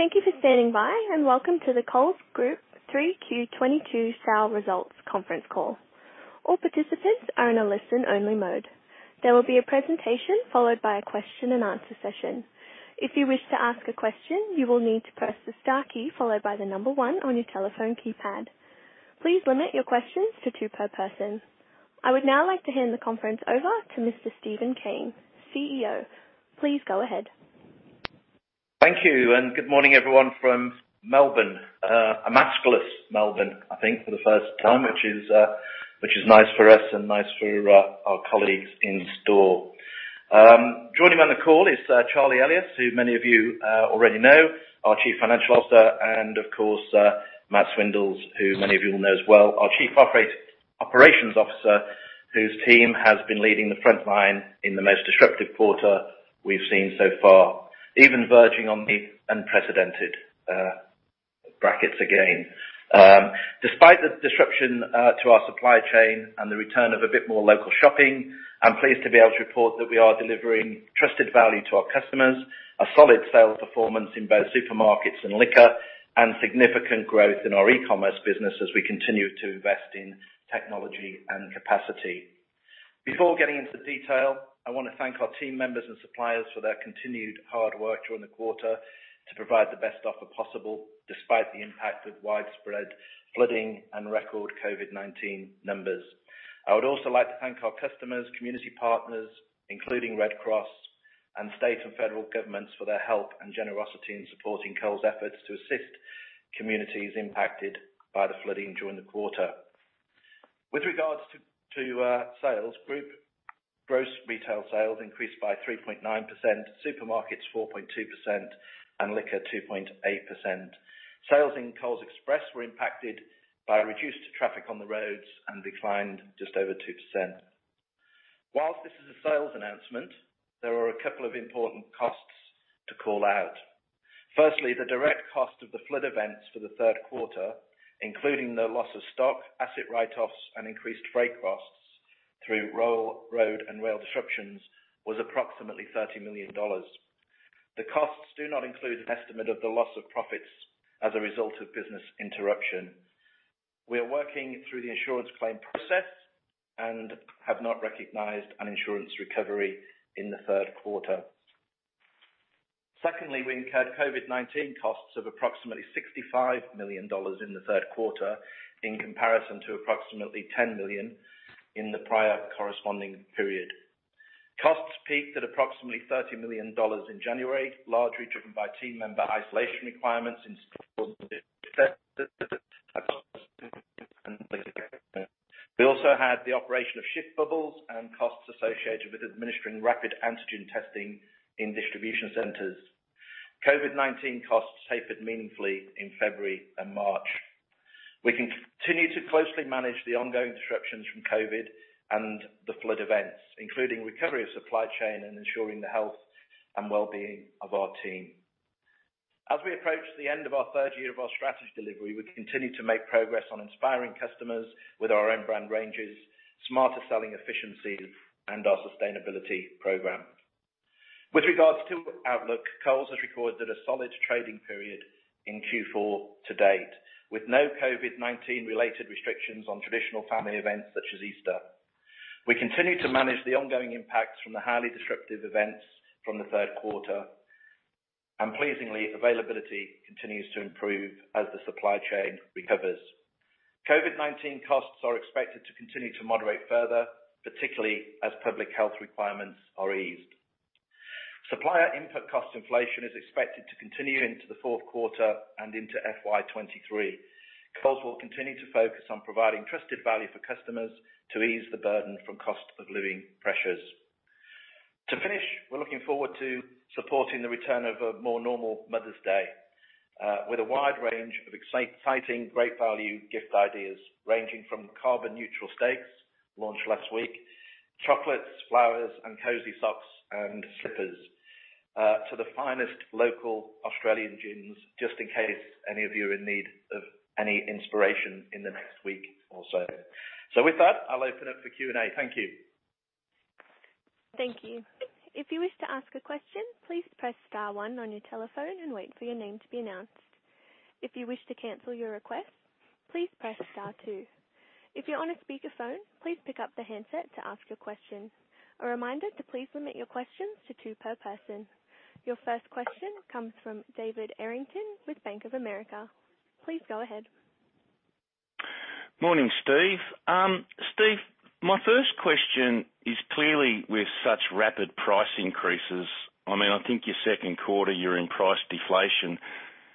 Thank you for standing by, and welcome to the Coles Group 3Q22 sales results conference call. All participants are in a listen-only mode. There will be a presentation followed by a question-and-answer session. If you wish to ask a question, you will need to press the star key followed by the number one on your telephone keypad. Please limit your questions to two per person. I would now like to hand the conference over to Mr. Steven Cain, CEO. Please go ahead. Thank you, and good morning, everyone from Melbourne. A maskless Melbourne, I think, for the first time, which is nice for us and nice for our colleagues in store. Joining me on the call is Charlie Elias, who many of you already know, our Chief Financial Officer, and of course, Matt Swindells, who many of you will know as well, our Chief Operations Officer, whose team has been leading the front line in the most disruptive quarter we've seen so far, even verging on the unprecedented, brackets again. Despite the disruption to our supply chain and the return of a bit more local shopping, I'm pleased to be able to report that we are delivering trusted value to our customers, a solid sales performance in both supermarkets and liquor, and significant growth in our e-commerce business as we continue to invest in technology and capacity. Before getting into the detail, I wanna thank our team members and suppliers for their continued hard work during the quarter to provide the best offer possible despite the impact of widespread flooding and record COVID-19 numbers. I would also like to thank our customers, community partners, including Red Cross and state and federal governments for their help and generosity in supporting Coles' efforts to assist communities impacted by the flooding during the quarter. With regards to sales, group gross retail sales increased by 3.9%, supermarkets 4.2%, and liquor 2.8%. Sales in Coles Express were impacted by reduced traffic on the roads and declined just over 2%. While this is a sales announcement, there are a couple of important costs to call out. Firstly, the direct cost of the flood events for the third quarter, including the loss of stock, asset write-offs, and increased freight costs through road and rail disruptions, was approximately 30 million dollars. The costs do not include an estimate of the loss of profits as a result of business interruption. We are working through the insurance claim process and have not recognized an insurance recovery in the third quarter. Secondly, we incurred COVID-19 costs of approximately 65 million dollars in the third quarter in comparison to approximately 10 million in the prior corresponding period. Costs peaked at approximately 30 million dollars in January, largely driven by team member isolation requirements. We also had the operation of shift bubbles and costs associated with administering rapid antigen testing in distribution centers. COVID-19 costs tapered meaningfully in February and March. We continue to closely manage the ongoing disruptions from COVID and the flood events, including recovery of supply chain and ensuring the health and well-being of our team. As we approach the end of our third year of our strategy delivery, we continue to make progress on inspiring customers with our Own Brand ranges, Smarter Selling efficiencies, and our sustainability program. With regards to outlook, Coles has recorded a solid trading period in Q4 to date, with no COVID-19 related restrictions on traditional family events such as Easter. We continue to manage the ongoing impacts from the highly disruptive events from the third quarter. Pleasingly, availability continues to improve as the supply chain recovers. COVID-19 costs are expected to continue to moderate further, particularly as public health requirements are eased. Supplier input cost inflation is expected to continue into the fourth quarter and into FY23. Coles will continue to focus on providing trusted value for customers to ease the burden from cost of living pressures. To finish, we're looking forward to supporting the return of a more normal Mother's Day with a wide range of exciting great value gift ideas, ranging from carbon neutral steaks launched last week, chocolates, flowers, and cozy socks and slippers to the finest local Australian gins, just in case any of you are in need of any inspiration in the next week or so. With that, I'll open up for Q&A. Thank you. Thank you. If you wish to ask a question, please press star one on your telephone and wait for your name to be announced. If you wish to cancel your request, please press star two. If you're on a speakerphone, please pick up the handset to ask your question. A reminder to please limit your questions to two per person. Your first question comes from David Errington with Bank of America. Please go ahead. Morning, Steve. Steve, my first question is clearly with such rapid price increases. I mean, I think your second quarter, you're in price deflation,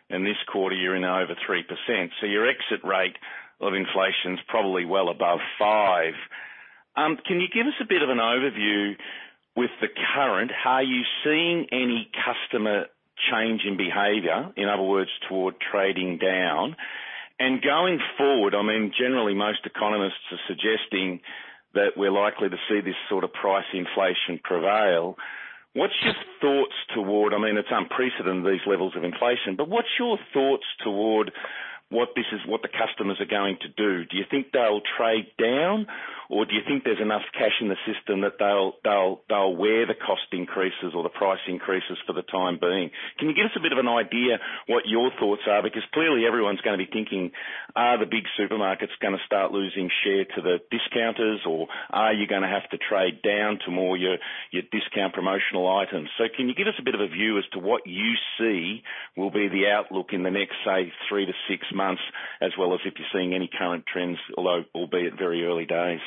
and this quarter, you're in over 3%, so your exit rate of inflation is probably well above 5%. Can you give us a bit of an overview with the current, are you seeing any customer change in behavior? In other words, toward trading down. Going forward, I mean, generally, most economists are suggesting that we're likely to see this sort of price inflation prevail. What's your thoughts toward what this is, what the customers are going to do. Do you think they'll trade down? Or do you think there's enough cash in the system that they'll wear the cost increases or the price increases for the time being? Can you give us a bit of an idea what your thoughts are? Because clearly everyone's gonna be thinking, are the big supermarkets gonna start losing share to the discounters? Or are you gonna have to trade down to more your discount promotional items? Can you give us a bit of a view as to what you see will be the outlook in the next, say, three to six months, as well as if you're seeing any current trends, although albeit very early days.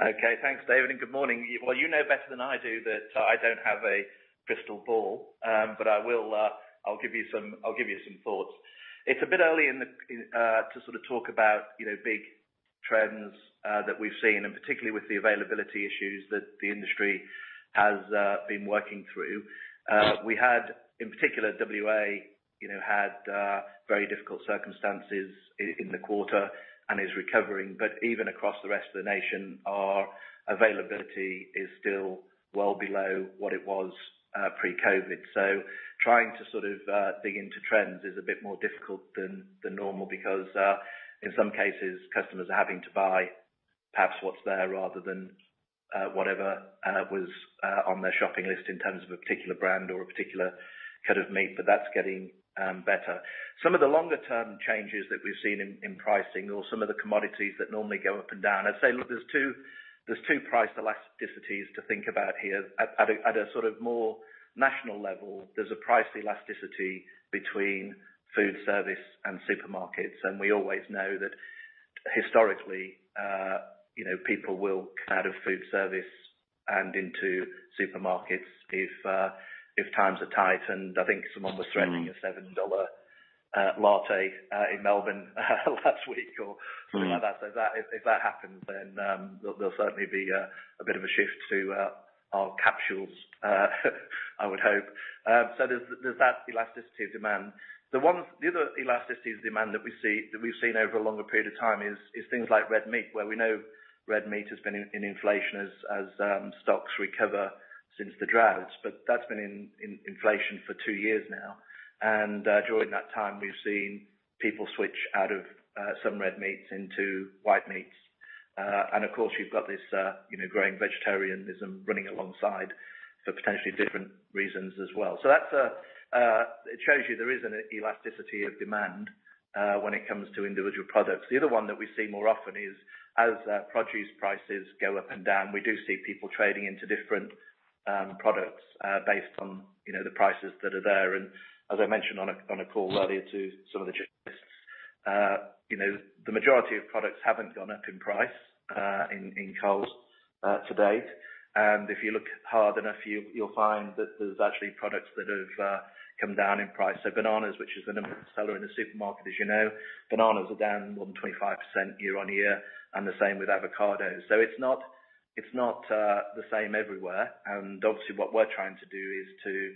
Okay. Thanks, David, and good morning. Well, you know better than I do that I don't have a crystal ball, but I will, I'll give you some thoughts. It's a bit early in the to sort of talk about, you know, big trends that we've seen, and particularly with the availability issues that the industry has been working through. We had, in particular, WA, you know, had very difficult circumstances in the quarter and is recovering. Even across the rest of the nation, our availability is still well below what it was pre-COVID. Trying to sort of dig into trends is a bit more difficult than normal because in some cases, customers are having to buy perhaps what's there rather than whatever was on their shopping list in terms of a particular brand or a particular cut of meat, but that's getting better. Some of the longer-term changes that we've seen in pricing or some of the commodities that normally go up and down, I'd say, look, there's two price elasticities to think about here. At a sort of more national level, there's a price elasticity between food service and supermarkets, and we always know that historically, you know, people will come out of food service and into supermarkets if times are tight. I think someone was threatening a 7 dollar latte in Melbourne last week or something like that. If that happens, then there'll certainly be a bit of a shift to our capsules, I would hope. There's that elasticity of demand. The other elasticity of demand that we've seen over a longer period of time is things like red meat, where we know red meat has been in inflation as stocks recover since the droughts. That's been in inflation for two years now. During that time, we've seen people switch out of some red meats into white meats. Of course, you've got this, you know, growing vegetarianism running alongside for potentially different reasons as well. That's it shows you there is an elasticity of demand when it comes to individual products. The other one that we see more often is, as produce prices go up and down, we do see people trading into different products based on, you know, the prices that are there. As I mentioned on a call earlier to some of the journalists, you know, the majority of products haven't gone up in price in Coles to date. If you look hard enough, you'll find that there's actually products that have come down in price. Bananas, which is a number seller in a supermarket, as you know, bananas are down more than 25% year-on-year, and the same with avocados. It's not the same everywhere. Obviously, what we're trying to do is to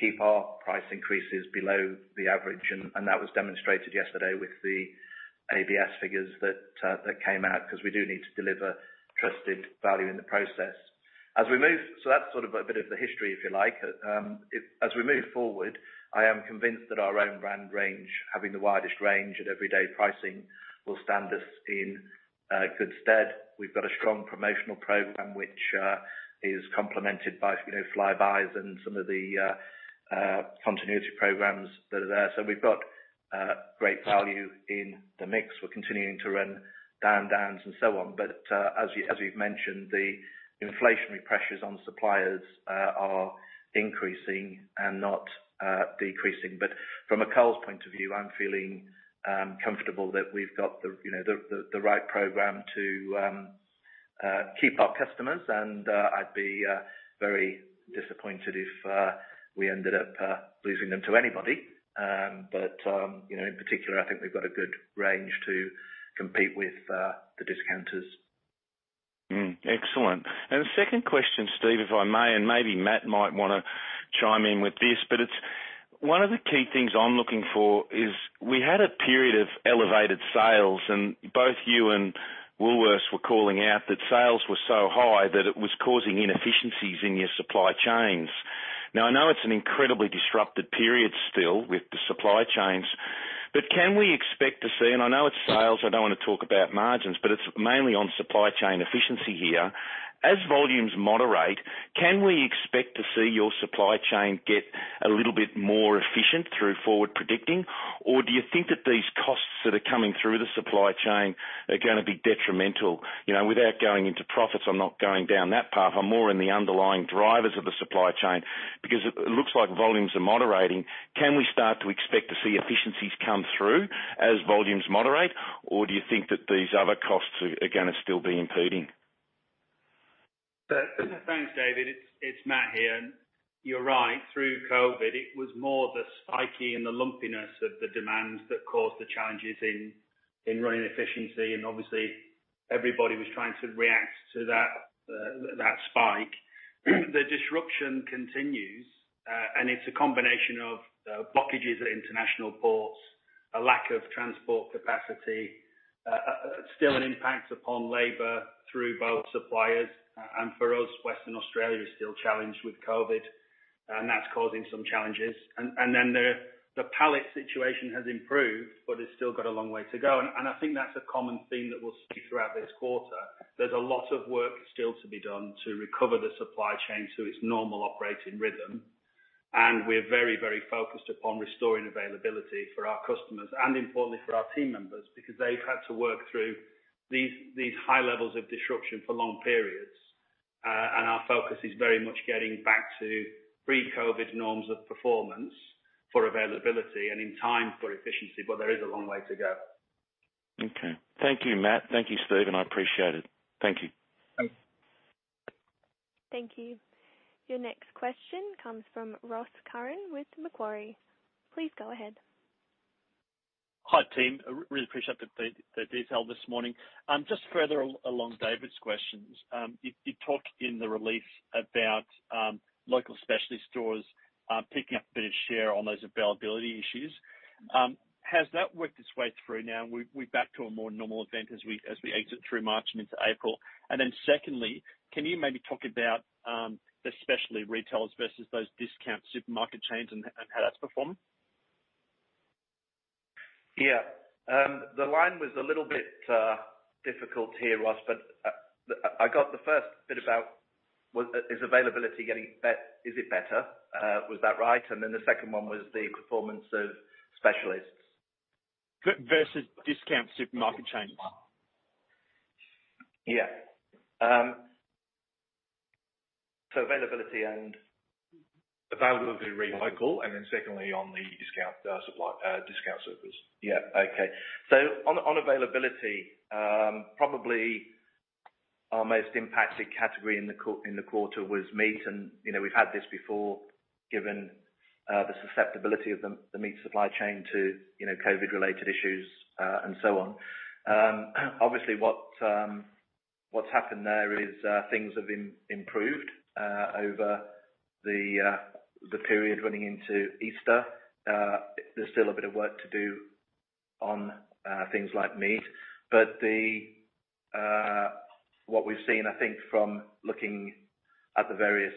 keep our price increases below the average. That was demonstrated yesterday with the ABS figures that came out because we do need to deliver trusted value in the process. That's sort of a bit of the history, if you like. As we move forward, I am convinced that our Own Brand range, having the widest range at everyday pricing, will stand us in good stead. We've got a strong promotional program which is complemented by, you know, Flybuys and some of the continuity programs that are there. We've got great value in the mix. We're continuing to run Down Down and so on. As you've mentioned, the inflationary pressures on suppliers are increasing and not decreasing. From a Coles point of view, I'm feeling comfortable that we've got the, you know, the right program to keep our customers, and I'd be very disappointed if we ended up losing them to anybody. You know, in particular, I think we've got a good range to compete with the discounters. Excellent. The second question, Steve, if I may, and maybe Matt might wanna chime in with this, but it's one of the key things I'm looking for is we had a period of elevated sales, and both you and Woolworths were calling out that sales were so high that it was causing inefficiencies in your supply chains. Now, I know it's an incredibly disrupted period still with the supply chains, but can we expect to see, and I know it's sales, I don't wanna talk about margins, but it's mainly on supply chain efficiency here. As volumes moderate, can we expect to see your supply chain get a little bit more efficient through forward predicting? Or do you think that these costs that are coming through the supply chain are gonna be detrimental? You know, without going into profits, I'm not going down that path. I'm more in the underlying drivers of the supply chain because it looks like volumes are moderating. Can we start to expect to see efficiencies come through as volumes moderate, or do you think that these other costs are gonna still be impeding? Thanks, David. It's Matt here. You're right. Through COVID, it was more the spiky and the lumpiness of the demands that caused the challenges in running efficiency, and obviously everybody was trying to react to that spike. The disruption continues, and it's a combination of blockages at international ports, a lack of transport capacity, still an impact upon labor through both suppliers. For us, Western Australia is still challenged with COVID. That's causing some challenges. Then the pallet situation has improved, but it's still got a long way to go. I think that's a common theme that we'll see throughout this quarter. There's a lot of work still to be done to recover the supply chain to its normal operating rhythm. We're very, very focused upon restoring availability for our customers and importantly for our team members, because they've had to work through these high levels of disruption for long periods. Our focus is very much getting back to pre-COVID norms of performance for availability and in time for efficiency. There is a long way to go. Okay. Thank you, Matt. Thank you, Steve, and I appreciate it. Thank you. Thanks. Thank you. Your next question comes from Ross Curran with Macquarie. Please go ahead. Hi, team. Really appreciate the detail this morning. Just further along David's questions. You talked in the release about local specialty stores picking up a bit of share on those availability issues. Has that worked its way through now and we're back to a more normal extent as we exit through March and into April? Then secondly, can you maybe talk about the specialty retailers versus those discount supermarket chains and how that's performed? Yeah. The line was a little bit difficult here, Ross, but I got the first bit about is availability getting better? Was that right? The second one was the performance of specialists. Versus discount supermarket chains. Yeah. Availability and. Availability retail. Okay. Secondly, on the discount, supply, discount service. Yeah. Okay. On availability, probably our most impacted category in the quarter was meat. You know, we've had this before, given the susceptibility of the meat supply chain to, you know, COVID-related issues, and so on. Obviously, what's happened there is things have improved over the period running into Easter. There's still a bit of work to do on things like meat. What we've seen, I think from looking at the various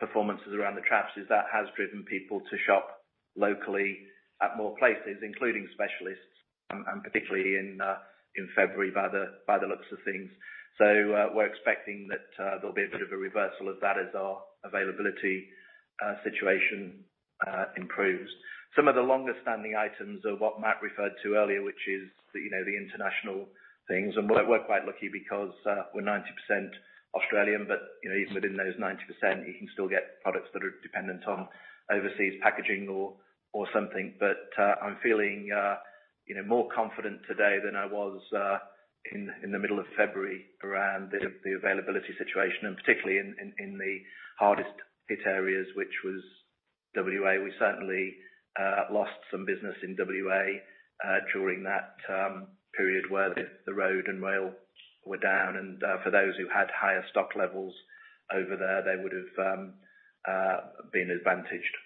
performances around the traps, is that has driven people to shop locally at more places, including specialists and particularly in February by the looks of things. We're expecting that there'll be a bit of a reversal of that as our availability situation improves. Some of the longer-standing items are what Matt referred to earlier, which is the you know the international things. We're quite lucky because we're 90% Australian, but you know, even within those 90%, you can still get products that are dependent on overseas packaging or something. I'm feeling you know more confident today than I was in the middle of February around the availability situation, and particularly in the hardest hit areas, which was WA. We certainly lost some business in WA during that period where the road and rail were down, and for those who had higher stock levels over there, they would've been advantaged.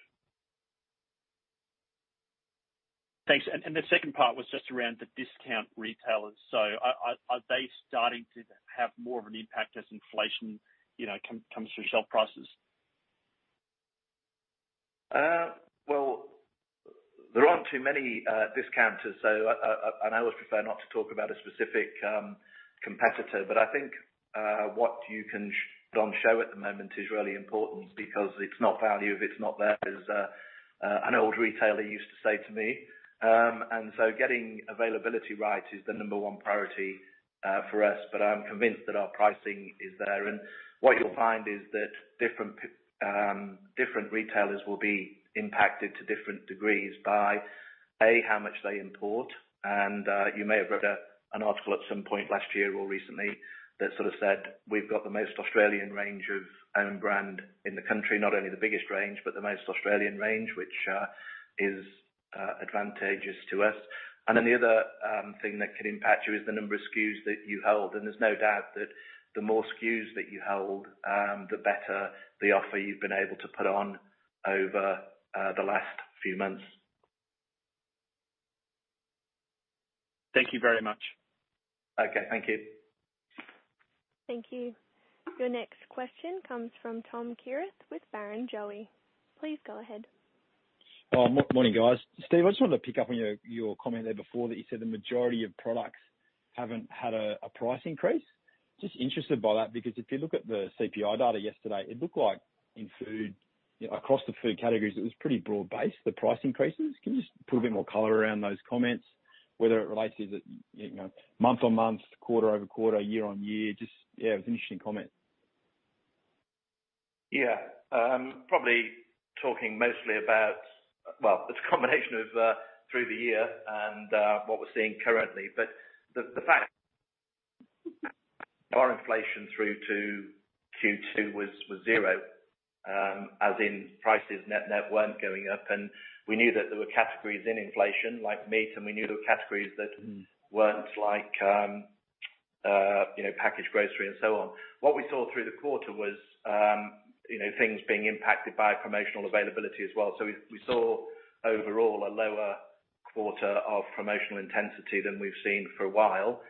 Thanks. The second part was just around the discount retailers. Are they starting to have more of an impact as inflation, you know, comes through shelf prices? Well, there aren't too many discounters, so and I always prefer not to talk about a specific competitor, but I think what you can put on show at the moment is really important because it's not value if it's not there, as an old retailer used to say to me. Getting availability right is the number one priority for us. I'm convinced that our pricing is there. What you'll find is that different retailers will be impacted to different degrees by a how much they import. You may have read an article at some point last year or recently that sort of said, we've got the most Australian range of Own Brand in the country, not only the biggest range, but the most Australian range, which is advantageous to us. The other thing that can impact you is the number of SKUs that you hold. There's no doubt that the more SKUs that you hold, the better the offer you've been able to put on over the last few months. Thank you very much. Okay. Thank you. Thank you. Your next question comes from Tom Kierath with Barrenjoey. Please go ahead. Oh, morning, guys. Steve, I just wanted to pick up on your comment there before that you said the majority of products haven't had a price increase. Just interested by that, because if you look at the CPI data yesterday, it looked like in food, across the food categories, it was pretty broad-based, the price increases. Can you just put a bit more color around those comments, whether it relates to the, you know, month-on-month, quarter-over-quarter, year-on-year? Just, yeah, it was an interesting comment. Probably talking mostly about. Well, it's a combination of through the year and what we're seeing currently, but the fact our inflation through to Q2 was zero, as in prices net net weren't going up, and we knew that there were categories in inflation like meat, and we knew there were categories that. Mm. weren't like, you know, packaged grocery and so on. What we saw through the quarter was, you know, things being impacted by promotional availability as well. We saw overall a lower quarter of promotional intensity than we've seen for a while.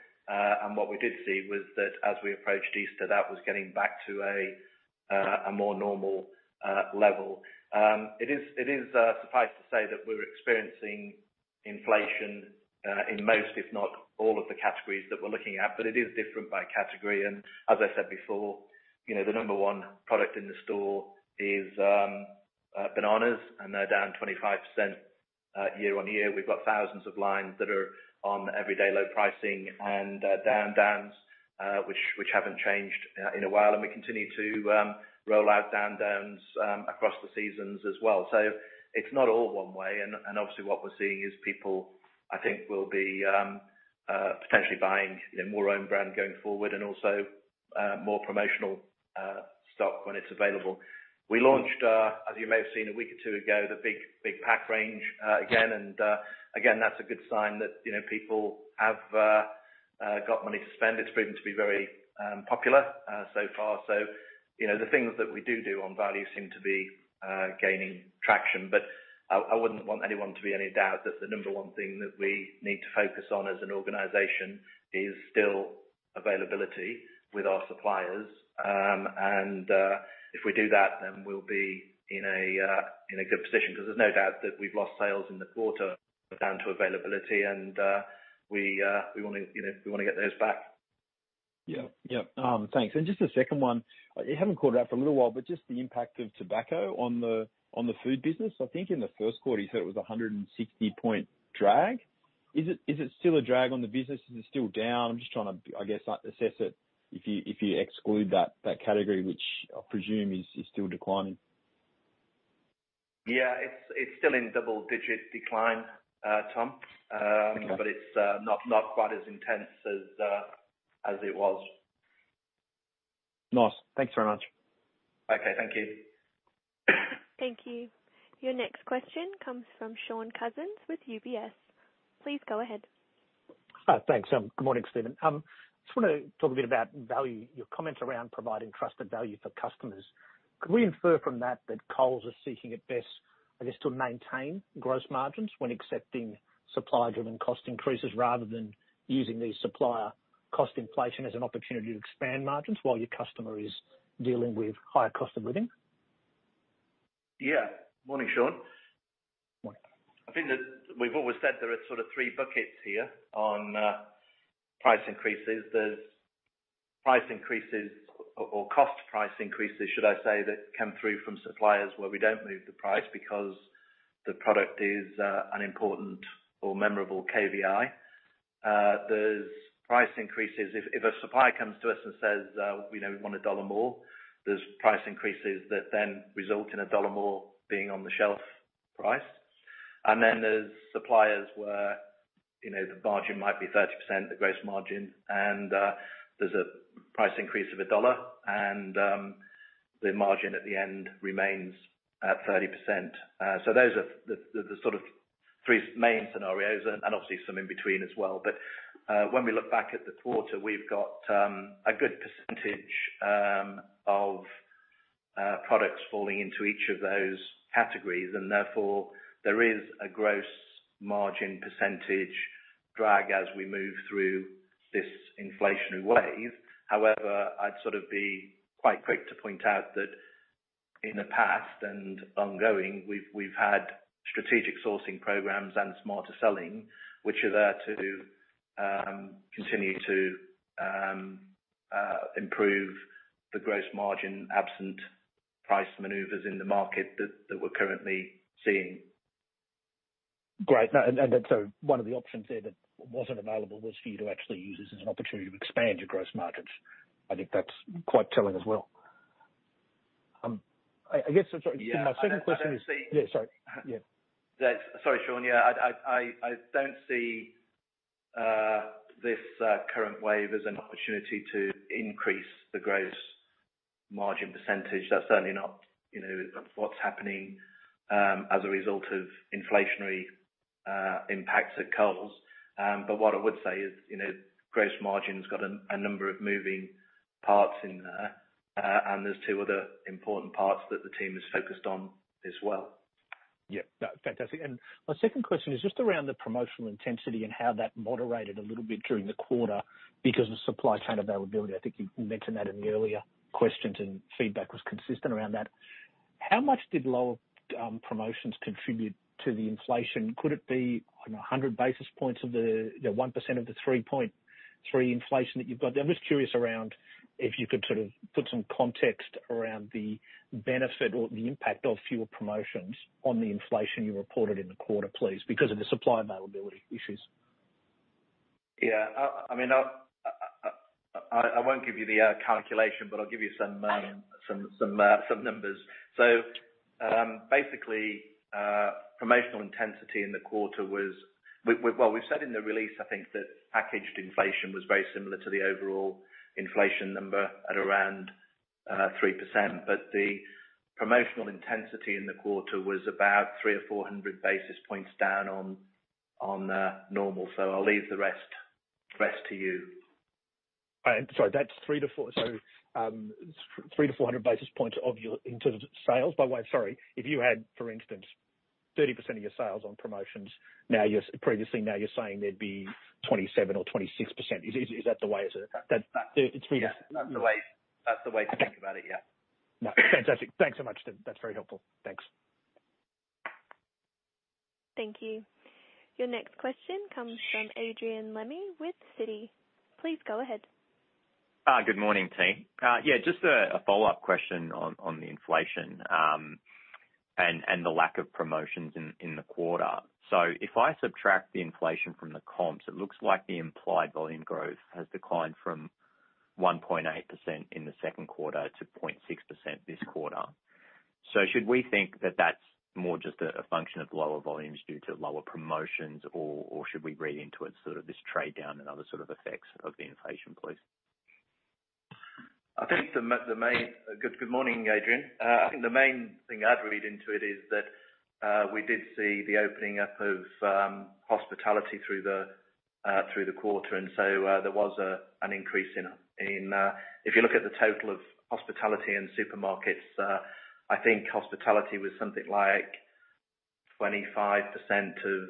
What we did see was that as we approached Easter, that was getting back to a more normal level. It is suffice to say that we're experiencing inflation in most, if not all of the categories that we're looking at, but it is different by category. As I said before, you know, the number one product in the store is, bananas, and they're down 25%, year-on-year. We've got thousands of lines that are on everyday low pricing and Down Down, which haven't changed in a while, and we continue to roll out Down Down across the seasons as well. It's not all one way, and obviously what we're seeing is people, I think, will be potentially buying, you know, more Own Brand going forward and also more promotional stock when it's available. We launched, as you may have seen a week or two ago, the Big Big Pack range again, and again, that's a good sign that, you know, people have got money to spend. It's proven to be very popular so far. You know, the things that we do on value seem to be gaining traction. I wouldn't want anyone to be in any doubt that the number one thing that we need to focus on as an organization is still availability with our suppliers. If we do that, then we'll be in a good position, 'cause there's no doubt that we've lost sales in the quarter down to availability and we wanna, you know, get those back. Yeah. Yeah. Thanks. Just the second one. You haven't called it out for a little while, but just the impact of tobacco on the food business. I think in the first quarter you said it was 160-point drag. Is it still a drag on the business? Is it still down? I'm just trying to, I guess, assess it if you exclude that category, which I presume is still declining. Yeah. It's still in double-digit decline, Tom. Okay. It's not quite as intense as it was. Nice. Thanks very much. Okay. Thank you. Thank you. Your next question comes from Shaun Cousins with UBS. Please go ahead. Thanks. Good morning, Steven. Just wanna talk a bit about value, your comment around providing trusted value for customers. Could we infer from that that Coles is seeking at best, I guess, to maintain gross margins when accepting supplier-driven cost increases rather than using these supplier cost inflation as an opportunity to expand margins while your customer is dealing with higher cost of living? Yeah. Morning, Shaun. Morning. I think that we've always said there are sort of three buckets here on price increases. There's price increases or cost price increases, should I say, that come through from suppliers where we don't move the price because the product is an important or memorable KVI. There's price increases. If a supplier comes to us and says, you know, "We want AUD 1 more," there's price increases that then result in AUD 1 more being on the shelf price. There's suppliers where, you know, the margin might be 30%, the gross margin, and there's a price increase of AUD 1 and the margin at the end remains at 30%. Those are the sort of three main scenarios and obviously some in between as well. When we look back at the quarter, we've got a good percentage of products falling into each of those categories, and therefore there is a gross margin percentage drag as we move through this inflationary wave. However, I'd sort of be quite quick to point out that in the past and ongoing, we've had strategic sourcing programs and Smarter Selling, which are there to continue to improve the gross margin absent price maneuvers in the market that we're currently seeing. Great. No, one of the options there that wasn't available was for you to actually use this as an opportunity to expand your gross margins. I think that's quite telling as well. I guess I'm sorry. Yeah. My second question is. I don't see. Yeah, sorry. Yeah. Sorry, Sean. Yeah. I don't see this current wave as an opportunity to increase the gross margin percentage. That's certainly not, you know, what's happening as a result of inflationary impacts at Coles. What I would say is, you know, gross margin's got a number of moving parts in there, and there's two other important parts that the team is focused on as well. Yeah. No, fantastic. My second question is just around the promotional intensity and how that moderated a little bit during the quarter because of supply chain availability. I think you mentioned that in the earlier questions, and feedback was consistent around that. How much did lower promotions contribute to the inflation? Could it be, I don't know, 100 basis points of the 1% of the 3.3 inflation that you've got? I'm just curious around if you could sort of put some context around the benefit or the impact of fewer promotions on the inflation you reported in the quarter, please, because of the supply availability issues. Yeah. I mean, I won't give you the calculation, but I'll give you some numbers. So basically, promotional intensity in the quarter was, well, we've said in the release, I think that packaged inflation was very similar to the overall inflation number at around 3%. But the promotional intensity in the quarter was about 300-400 basis points down on normal. I'll leave the rest to you. Sorry, that's 300-400 basis points of your in terms of sales. By the way, sorry, if you had, for instance, 30% of your sales on promotions, now you're saying there'd be 27% or 26%. Is that the way to. That's Yeah. It's read- That's the way, that's the way to think about it, yeah. No, fantastic. Thanks so much, Steve. That's very helpful. Thanks. Thank you. Your next question comes from Adrian Lemme with Citi. Please go ahead. Good morning, team. Yeah, just a follow-up question on the inflation, and the lack of promotions in the quarter. If I subtract the inflation from the comps, it looks like the implied volume growth has declined from 1.8% in the second quarter to 0.6% this quarter. Should we think that that's more just a function of lower volumes due to lower promotions or should we read into it sort of this trade-down and other sort of effects of the inflation, please? Good morning, Adrian. I think the main thing I'd read into it is that we did see the opening up of hospitality through the quarter. There was an increase in. If you look at the total of hospitality and supermarkets, I think hospitality was something like 25% of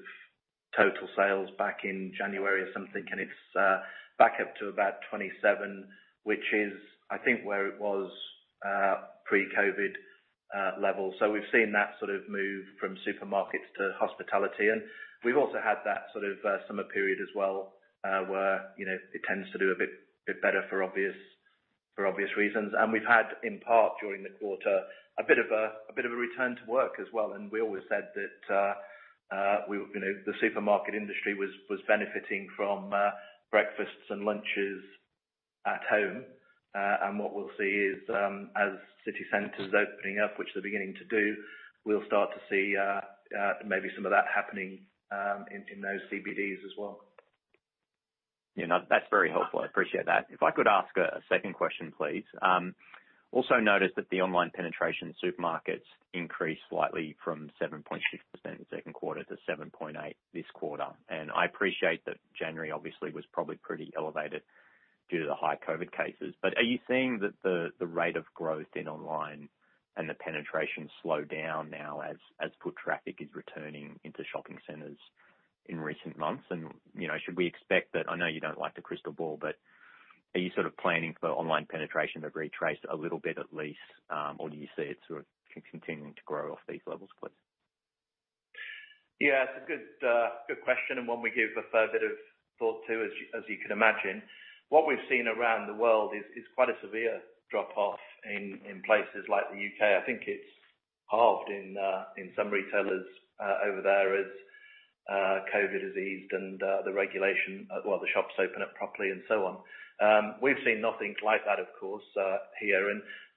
total sales back in January or something, and it's back up to about 27, which is, I think, where it was pre-COVID levels. We've seen that sort of move from supermarkets to hospitality. We've also had that sort of summer period as well, where you know it tends to do a bit better for obvious reasons. We've had, in part, during the quarter, a bit of a return to work as well. We always said that we, you know, the supermarket industry was benefiting from breakfasts and lunches at home. What we'll see is as city centers opening up, which they're beginning to do, we'll start to see maybe some of that happening in those CBDs as well. Yeah, no, that's very helpful. I appreciate that. If I could ask a second question, please. Also noticed that the online penetration supermarkets increased slightly from 7.6% in the second quarter to 7.8% this quarter. I appreciate that January obviously was probably pretty elevated due to the high COVID cases. Are you seeing that the rate of growth in online and the penetration slow down now as foot traffic is returning into shopping centers in recent months? You know, should we expect that. I know you don't like the crystal ball, are you sort of planning for online penetration to retrace a little bit at least, or do you see it sort of continuing to grow off these levels, please? Yeah, it's a good question, and one we give a fair bit of thought to, as you can imagine. What we've seen around the world is quite a severe drop-off in places like the U.K. I think it's halved in some retailers over there as COVID has eased and the regulations, well, the shops open up properly and so on. We've seen nothing like that, of course, here.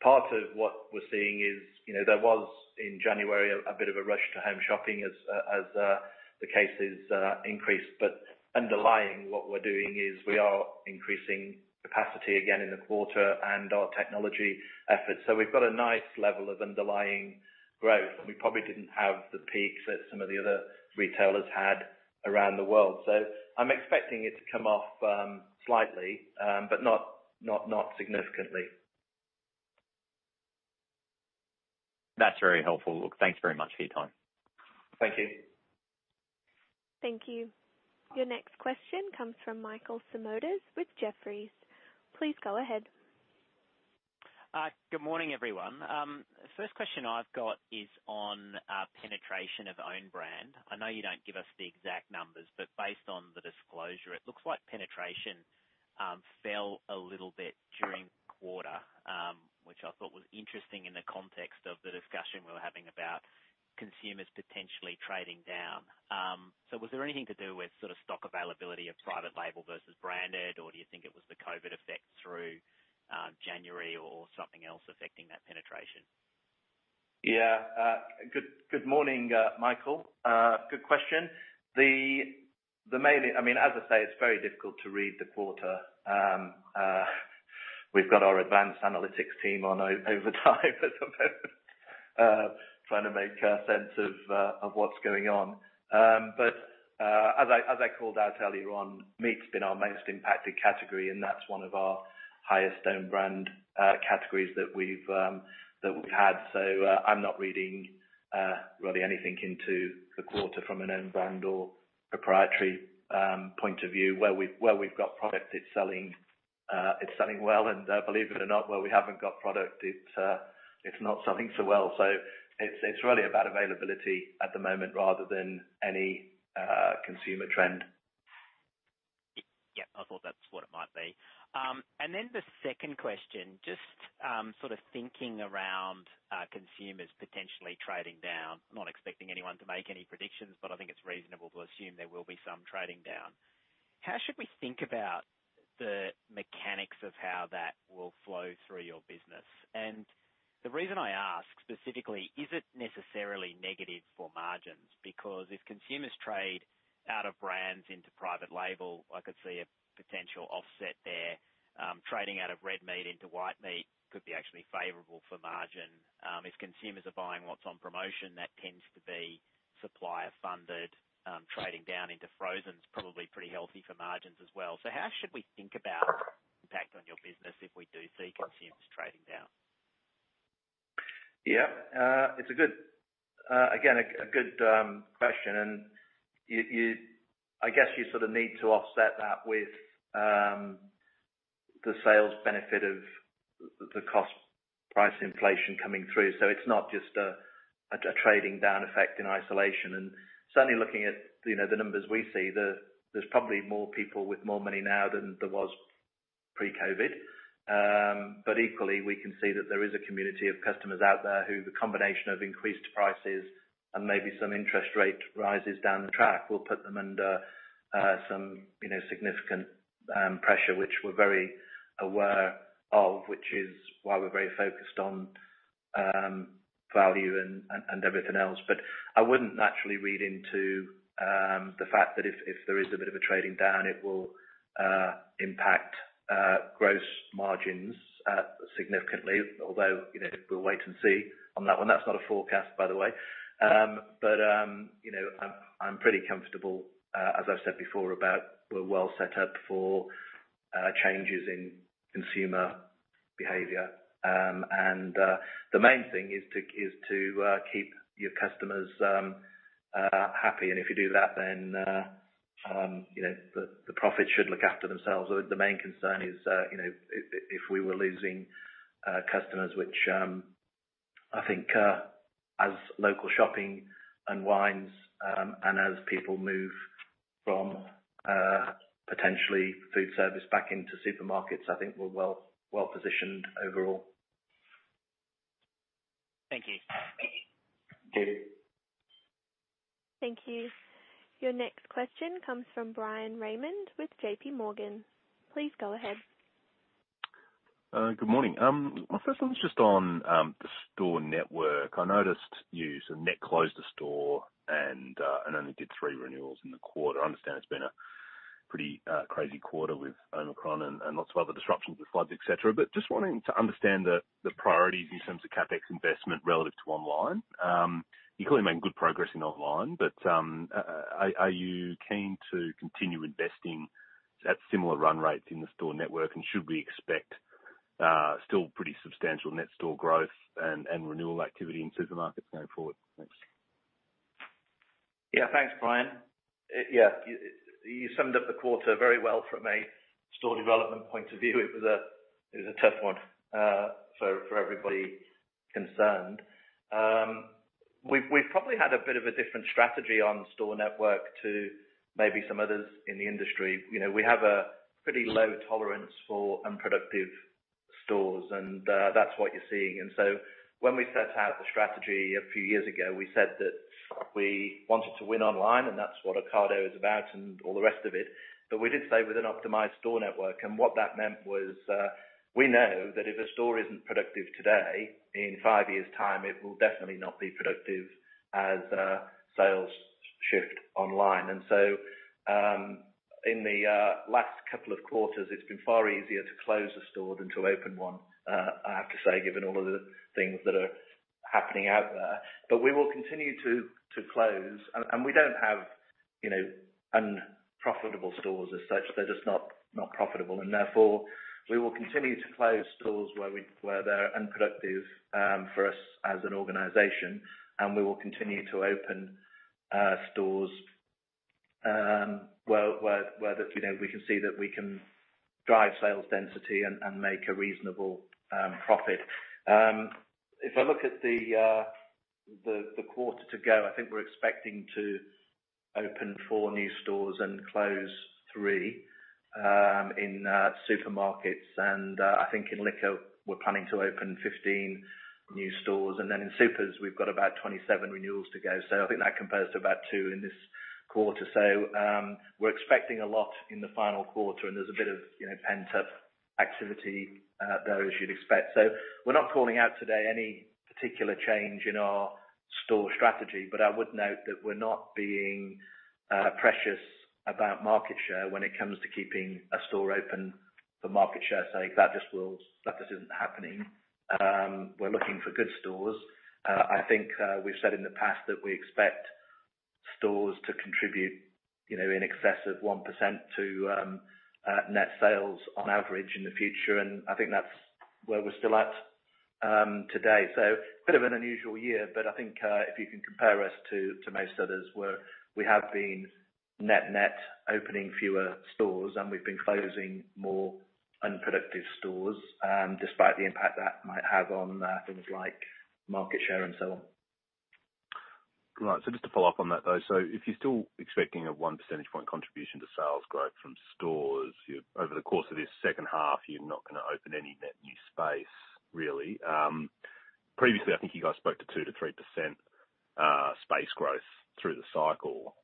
Part of what we're seeing is, you know, there was in January a bit of a rush to home shopping as the cases increased. Underlying what we're doing is we are increasing capacity again in the quarter and our technology efforts. We've got a nice level of underlying growth. We probably didn't have the peaks that some of the other retailers had around the world. I'm expecting it to come off, slightly, but not significantly. That's very helpful. Look, thanks very much for your time. Thank you. Thank you. Your next question comes from Michael Simotas with Jefferies. Please go ahead. Good morning, everyone. First question I've got is on penetration of Own Brand. I know you don't give us the exact numbers, but based on the disclosure, it looks like penetration fell a little bit during the quarter, which I thought was interesting in the context of the discussion we were having about consumers potentially trading down. Was there anything to do with sort of stock availability of private label versus branded, or do you think it was the COVID effect through January or something else affecting that penetration? Yeah. Good morning, Michael Simotas. Good question. I mean, as I say, it's very difficult to read the quarter. We've got our advanced analytics team on overtime at the moment, trying to make sense of what's going on. As I called out earlier on, meat's been our most impacted category, and that's one of our highest Own Brand categories that we've had. I'm not reading really anything into the quarter from an Own Brand or proprietary point of view. Where we've got product, it's selling well, and believe it or not, where we haven't got product it's not selling so well. It's really about availability at the moment rather than any consumer trend. Yeah. I thought that's what it might be. Then the second question, just sort of thinking around consumers potentially trading down. I'm not expecting anyone to make any predictions, but I think it's reasonable to assume there will be some trading down. How should we think about the mechanics of how that will flow through your business? The reason I ask specifically, is it necessarily negative for margins? Because if consumers trade out of brands into private label, I could see a potential offset there. Trading out of red meat into white meat could actually be favorable for margin. If consumers are buying what's on promotion, that tends to be supplier funded. Trading down into frozen is probably pretty healthy for margins as well. How should we think about the impact on your business if we do see consumers trading down? It's a good question. I guess you sort of need to offset that with the sales benefit of the cost price inflation coming through. It's not just a trading down effect in isolation. Certainly looking at, you know, the numbers we see, there's probably more people with more money now than there was pre-COVID. Equally, we can see that there is a community of customers out there who the combination of increased prices and maybe some interest rate rises down the track will put them under some significant pressure, which we're very aware of, which is why we're very focused on value and everything else. I wouldn't naturally read into the fact that if there is a bit of a trading down, it will impact gross margins significantly, although you know, we'll wait and see on that one. That's not a forecast, by the way. You know, I'm pretty comfortable as I've said before about we're well set up for changes in consumer behavior. The main thing is to keep your customers happy. If you do that, then you know, the profits should look after themselves. The main concern is you know, if we were losing customers, which I think as local shopping unwinds and as people move from potentially food service back into supermarkets, I think we're well positioned overall. Thank you. Thank you. Thank you. Your next question comes from Bryan Raymond with J.P. Morgan. Please go ahead. Good morning. My first one was just on the store network. I noticed you sort of net closed a store and only did three renewals in the quarter. I understand it's been a pretty crazy quarter with Omicron and lots of other disruptions with floods, et cetera. Just wanting to understand the priorities in terms of CapEx investment relative to online. You clearly made good progress in online, but are you keen to continue investing at similar run rates in the store network? Should we expect still pretty substantial net store growth and renewal activity in supermarkets going forward? Thanks. Yeah. Thanks, Bryan. Yeah. You summed up the quarter very well from a store development point of view. It was a tough one for everybody concerned. We've probably had a bit of a different strategy on store network to maybe some others in the industry. You know, we have a pretty low tolerance for unproductive stores, and that's what you're seeing. When we set out the strategy a few years ago, we said that we wanted to win online, and that's what Ocado is about and all the rest of it. But we did say with an optimized store network, and what that meant was, we know that if a store isn't productive today, in five years' time, it will definitely not be productive as sales shift online. In the last couple of quarters, it's been far easier to close a store than to open one, I have to say, given all of the things that are happening out there. We will continue to close. We don't have, you know, unprofitable stores as such. They're just not profitable. Therefore, we will continue to close stores where they're unproductive for us as an organization, and we will continue to open stores where we can see that we can drive sales density and make a reasonable profit. If I look at the quarter to go, I think we're expecting to open four new stores and close three in supermarkets. I think in liquor, we're planning to open 15 new stores. In supers, we've got about 27 renewals to go. I think that compares to about two in this quarter. We're expecting a lot in the final quarter, and there's a bit of, you know, pent-up activity there as you'd expect. We're not calling out today any particular change in our store strategy. I would note that we're not being precious about market share when it comes to keeping a store open for market share sake. That just isn't happening. We're looking for good stores. I think we've said in the past that we expect stores to contribute, you know, in excess of 1% to net sales on average in the future. I think that's where we're still at today. Bit of an unusual year, but I think if you can compare us to most others, we have been net-net opening fewer stores, and we've been closing more unproductive stores, despite the impact that might have on things like market share and so on. Right. Just to follow up on that, though. If you're still expecting a 1 percentage point contribution to sales growth from stores, over the course of this second half, you're not gonna open any net new space, really. Previously, I think you guys spoke to 2%-3% space growth through the cycle.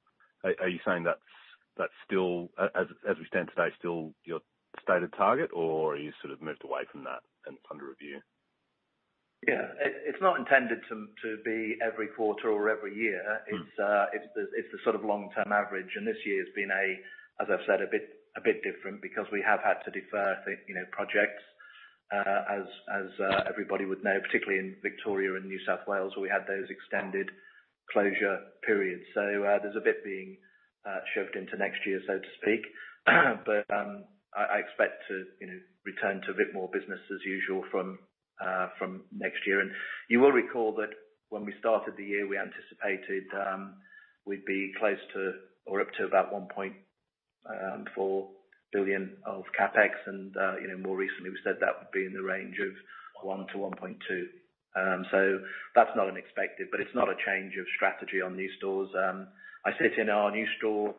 Are you saying that's still, as we stand today, still your stated target, or are you sort of moved away from that and it's under review? Yeah. It's not intended to be every quarter or every year. Mm. It's the sort of long-term average. This year's been a bit different because we have had to defer, you know, projects, as everybody would know, particularly in Victoria and New South Wales, where we had those extended closure period. There's a bit being shoved into next year, so to speak. I expect to, you know, return to a bit more business as usual from next year. You will recall that when we started the year, we anticipated we'd be close to or up to about 1.4 billion of CapEx and, you know, more recently we said that would be in the range of 1 billion-1.2 billion. That's not unexpected, but it's not a change of strategy on new stores. I sit in our new store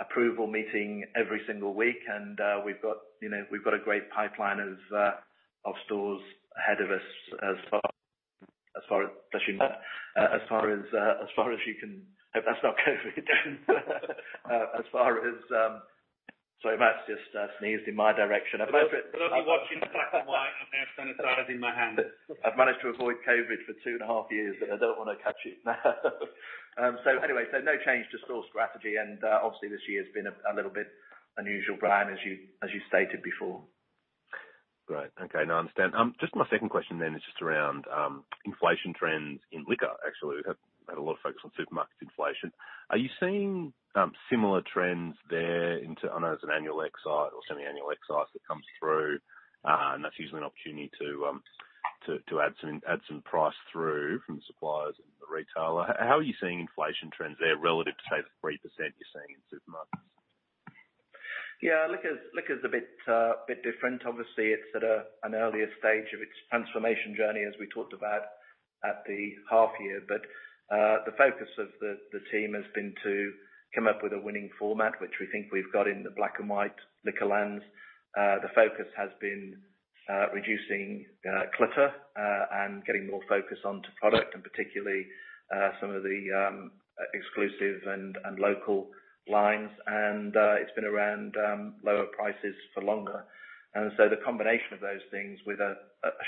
approval meeting every single week, and we've got, you know, a great pipeline of stores ahead of us as far as, bless you, Matt. As far as you can. Hope that's not COVID. As far as. Sorry, Matt's just sneezed in my direction. I'll be watching the black and white. I've now sanitized in my hand. I've managed to avoid COVID for two and a half years, and I don't wanna catch it now. Anyway, no change to store strategy and, obviously this year's been a little bit unusual, Bryan, as you stated before. Great. Okay. No, I understand. Just my second question then is just around inflation trends in liquor. Actually, we have had a lot of focus on supermarket inflation. Are you seeing similar trends there? I know there's an annual excise or semi-annual excise that comes through, and that's usually an opportunity to add some price through from the suppliers and the retailer. How are you seeing inflation trends there relative to, say, the 3% you're seeing in supermarkets? Yeah. Liquor's a bit different. Obviously, it's at an earlier stage of its transformation journey, as we talked about at the half year. The focus of the team has been to come up with a winning format, which we think we've got in the black and white Liquorland. The focus has been reducing clutter and getting more focus onto product, and particularly some of the exclusive and local lines. It's been around lower prices for longer. The combination of those things with a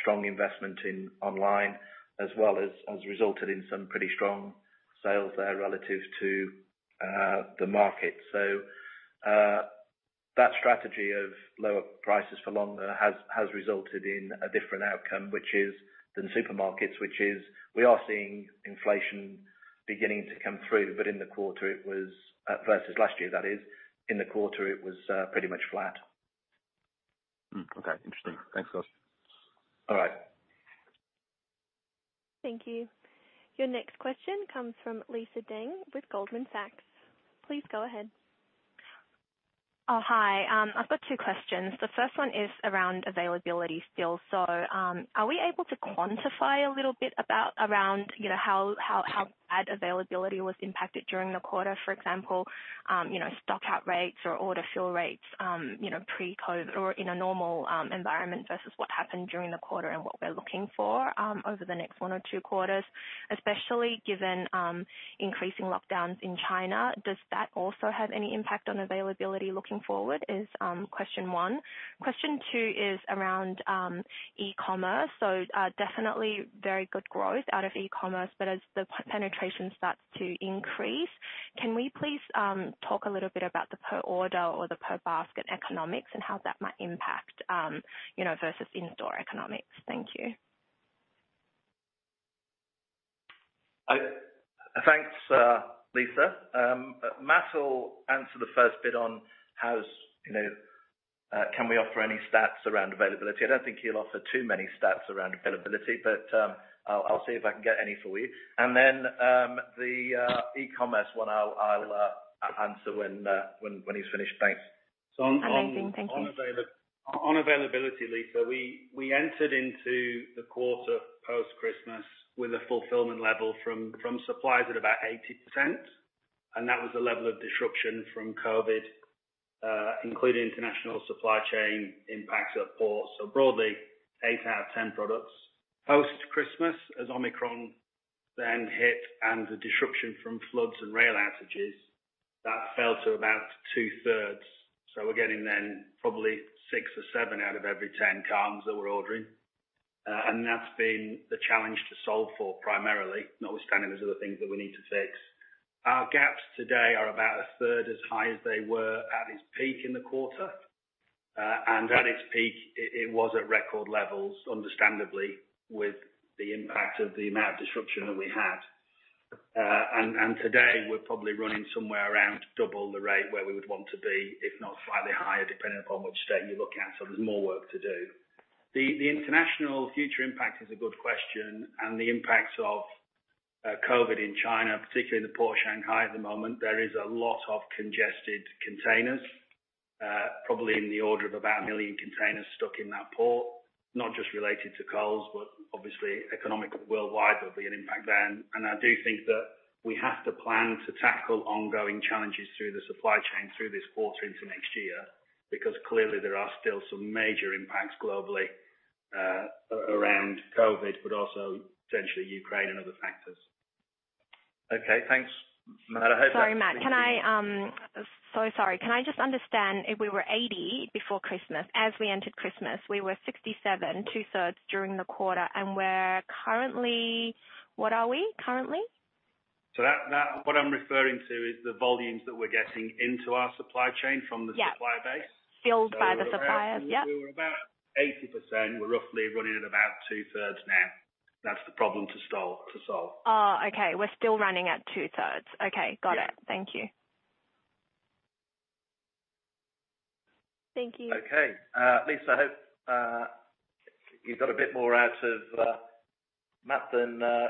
strong investment in online as well has resulted in some pretty strong sales there relative to the market. That strategy of lower prices for longer has resulted in a different outcome, which is. than supermarkets, which is we are seeing inflation beginning to come through, but in the quarter it was pretty much flat. Okay. Interesting. Thanks, guys. All right. Thank you. Your next question comes from Lisa Deng with Goldman Sachs. Please go ahead. Oh, hi. I've got two questions. The first one is around availability still. Are we able to quantify a little bit around, you know, how bad availability was impacted during the quarter? For example, you know, stock out rates or order fill rates, you know, pre-COVID or in a normal, environment versus what happened during the quarter and what we're looking for, over the next one or two quarters, especially given increasing lockdowns in China. Does that also have any impact on availability looking forward? Question one. Question two is around, e-commerce. Definitely very good growth out of e-commerce, but as the penetration starts to increase, can we please, talk a little bit about the per order or the per basket economics and how that might impact, you know, versus in-store economics? Thank you. Thanks, Lisa. Matt will answer the first bit on how, you know, can we offer any stats around availability? I don't think he'll offer too many stats around availability, but I'll see if I can get any for you. The e-commerce one I'll answer when he's finished. Thanks. Amazing. Thank you. On availability, Lisa, we entered into the quarter post-Christmas with a fulfillment level from suppliers at about 80%, and that was the level of disruption from COVID, including international supply chain impacts at the port. Broadly, eight out of 10 products. Post-Christmas, as Omicron then hit and the disruption from floods and rail outages, that fell to about two-thirds. We're getting then probably six or seven out of every 10 products that we're ordering. That's been the challenge to solve for primarily, notwithstanding those other things that we need to fix. Our gaps today are about a third as high as they were at its peak in the quarter. At its peak, it was at record levels, understandably, with the impact of the amount of disruption that we had. Today we're probably running somewhere around double the rate where we would want to be, if not slightly higher, depending upon which state you're looking at. So there's more work to do. The international freight impact is a good question, and the impacts of COVID in China, particularly in the port of Shanghai at the moment, there is a lot of congested containers, probably in the order of about one million containers stuck in that port, not just related to Coles, but obviously economic worldwide, there'll be an impact then. I do think that we have to plan to tackle ongoing challenges through the supply chain through this quarter into next year, because clearly there are still some major impacts globally, around COVID, but also potentially Ukraine and other factors. Okay, thanks. Matt, I hope that. Sorry, Matt. Sorry. Can I just understand, if we were 80 before Christmas, as we entered Christmas, we were 67, 2/3 during the quarter, and we're currently. What are we currently? That... What I'm referring to is the volumes that we're getting into our supply chain from the supplier base. Filled by the suppliers. Yep. 80%. We're roughly running at about 2/3 now. That's the problem to solve. Oh, okay. We're still running at two-thirds. Okay, got it. Yeah. Thank you. Thank you. Okay. Lisa, I hope you got a bit more out of Matt than I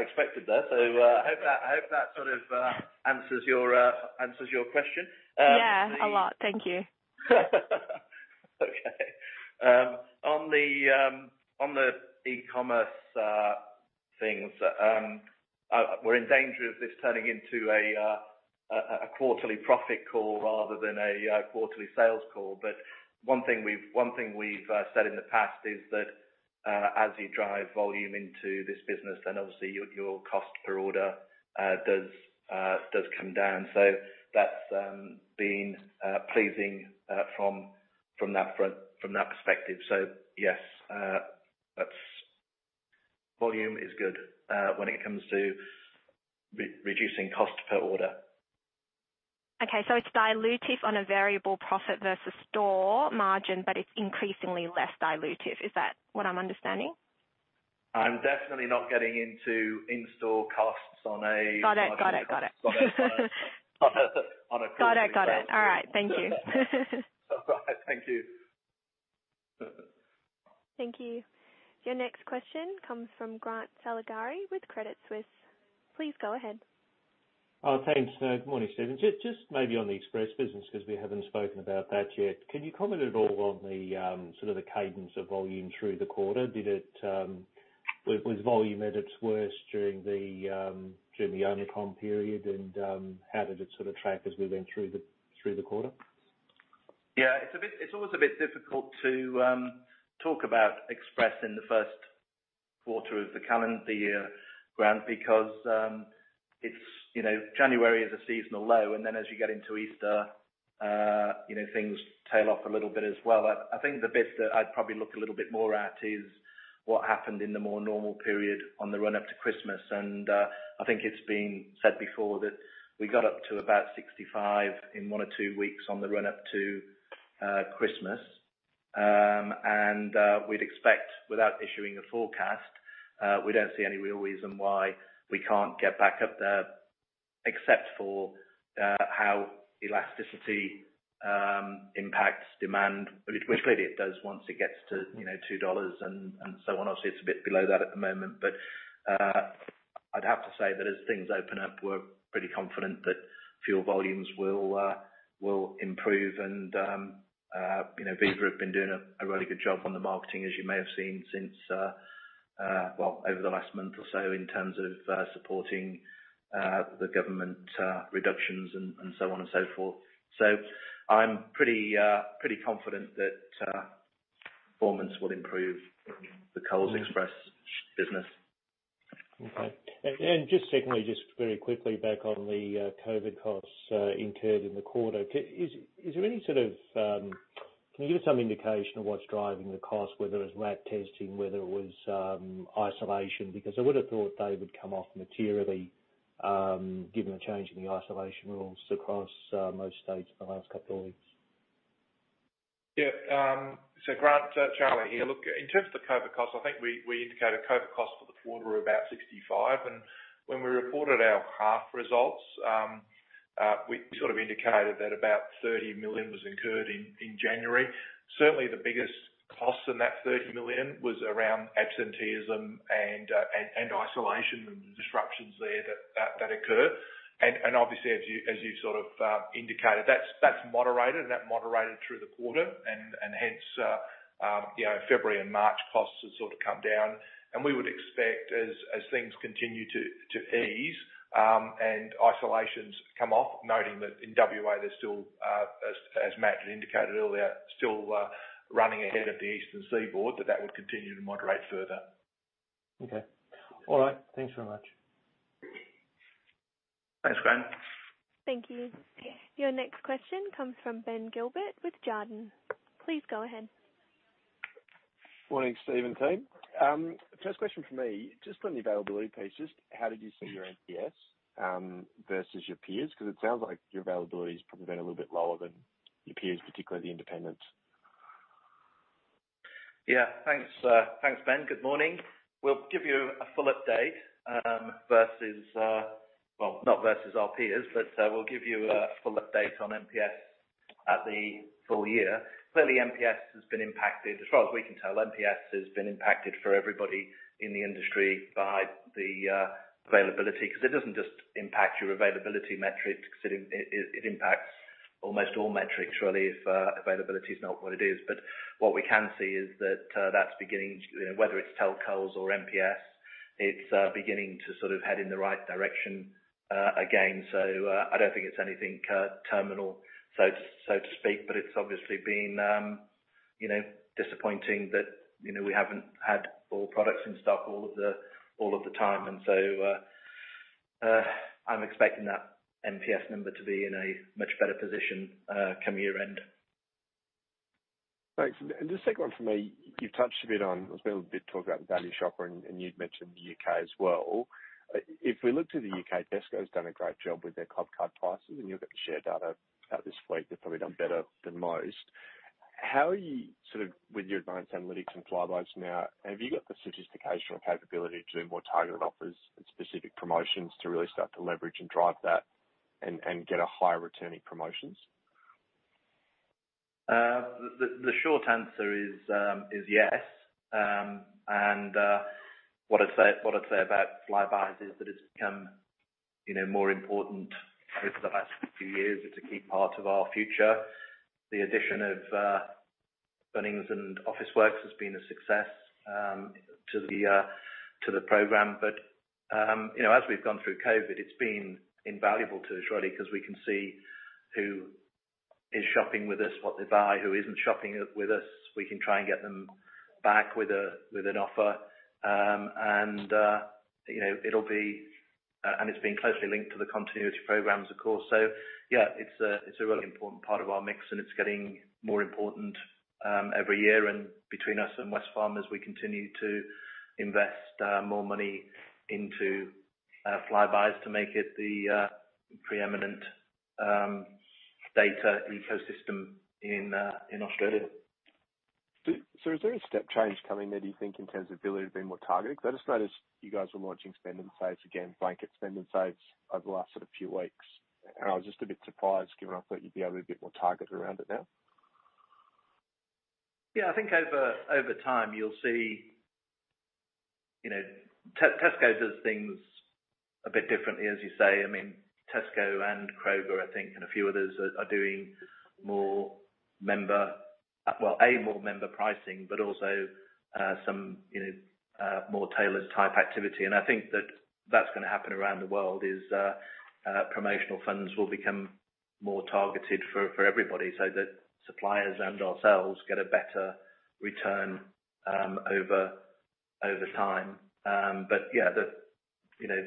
expected there. I hope that sort of answers your question. Yeah, a lot. Thank you. Okay. On the e-commerce things. We're in danger of this turning into a quarterly profit call rather than a quarterly sales call. One thing we've said in the past is that as you drive volume into this business, then obviously your cost per order does come down. That's been pleasing from that front, from that perspective. Yes, that's. Volume is good when it comes to reducing cost per order. Okay. It's dilutive on a variable profit versus store margin, but it's increasingly less dilutive. Is that what I'm understanding? I'm definitely not getting into in-store costs on a- Got it. On a, on a- Got it. All right. Thank you. Thank you. Thank you. Your next question comes from Grant Saligari with Credit Suisse. Please go ahead. Thanks. Good morning, Steven. Just maybe on the Express business, because we haven't spoken about that yet. Can you comment at all on the sort of cadence of volume through the quarter? Was volume at its worst during the Omicron period, and how did it sort of track as we went through the quarter? Yeah, it's always a bit difficult to talk about Express in the first quarter of the calendar year, Grant, because it's, you know, January is a seasonal low, and then as you get into Easter, you know, things tail off a little bit as well. I think the bit that I'd probably look a little bit more at is what happened in the more normal period on the run-up to Christmas. I think it's been said before that we got up to about 65 in one or two weeks on the run-up to Christmas. We'd expect, without issuing a forecast, we don't see any real reason why we can't get back up there, except for how elasticity impacts demand, which clearly it does once it gets to, you know, 2 dollars and so on. Obviously, it's a bit below that at the moment, but I'd have to say that as things open up, we're pretty confident that fuel volumes will improve. You know, Viva have been doing a really good job on the marketing, as you may have seen since, well, over the last month or so in terms of supporting the government reductions and so on and so forth. I'm pretty confident that performance will improve the Coles Express business. Okay. Just secondly, just very quickly back on the COVID costs incurred in the quarter. Can you give some indication of what's driving the cost, whether it's RAT testing, whether it was isolation? Because I would have thought they would come off materially, given the change in the isolation rules across most states in the last couple of weeks. Yeah. Grant, Charlie here. Look, in terms of the COVID costs, I think we indicated COVID costs for the quarter were about 65 million, and when we reported our half results, we sort of indicated that about 30 million was incurred in January. Certainly the biggest cost in that 30 million was around absenteeism and isolation and the disruptions there that occurred. Obviously as you sort of indicated, that's moderated, and that moderated through the quarter. Hence, you know, February and March costs have sort of come down. We would expect as things continue to ease, and isolations come off, noting that in WA there's still, as Matt had indicated earlier, still running ahead of the eastern seaboard, that would continue to moderate further. Okay. All right. Thanks very much. Thanks, Grant. Thank you. Your next question comes from Ben Gilbert with Jarden. Please go ahead. Morning, Steven and team. First question from me. Just on the availability piece, just how did you see your NPS versus your peers? 'Cause it sounds like your availability has probably been a little bit lower than your peers, particularly the independents. Thanks, Ben. Good morning. We'll give you a full update on NPS at the full year. Clearly, NPS has been impacted. As far as we can tell, NPS has been impacted for everybody in the industry by the availability. 'Cause it doesn't just impact your availability metrics. It impacts almost all metrics, really, if availability is not what it is. What we can see is that's beginning to, you know, whether it's Telcos or NPS, it's beginning to sort of head in the right direction, again. I don't think it's anything terminal, so to speak, but it's obviously been, you know, disappointing that, you know, we haven't had all products in stock all of the time. I'm expecting that NPS number to be in a much better position come year-end. Thanks. The second one from me. You've touched a bit on, there's been a bit of talk about the value shopper, and you'd mentioned the U.K. as well. If we look to the U.K., Tesco's done a great job with their Clubcard prices, and you'll get the share data out this week. They've probably done better than most. How are you, sort of, with your advanced analytics and Flybuys now, have you got the sophistication or capability to do more targeted offers and specific promotions to really start to leverage and drive that and get a higher returning promotions? The short answer is yes. What I'd say about Flybuys is that it's become, you know, more important over the past few years. It's a key part of our future. The addition of Bunnings and Officeworks has been a success to the program. You know, as we've gone through COVID, it's been invaluable to us really 'cause we can see who is shopping with us, what they buy, who isn't shopping with us. We can try and get them back with an offer. It's been closely linked to the continuity programs, of course. Yeah, it's a really important part of our mix, and it's getting more important every year and between us and Wesfarmers, we continue to invest more money into Flybuys to make it the preeminent data ecosystem in Australia. Is there a step change coming there, do you think, in terms of ability to be more targeted? 'Cause I just noticed you guys were launching spend and saves again, blanket spend and saves over the last sort of few weeks. I was just a bit surprised given I thought you'd be able to get more targeted around it now. Yeah. I think over time you'll see, you know, Tesco does things a bit differently, as you say. I mean, Tesco and Kroger, I think, and a few others are doing more member pricing, but also some, you know, more tailored type activity. I think that that's gonna happen around the world is promotional funds will become more targeted for everybody so that suppliers and ourselves get a better return over time. Yeah, you know,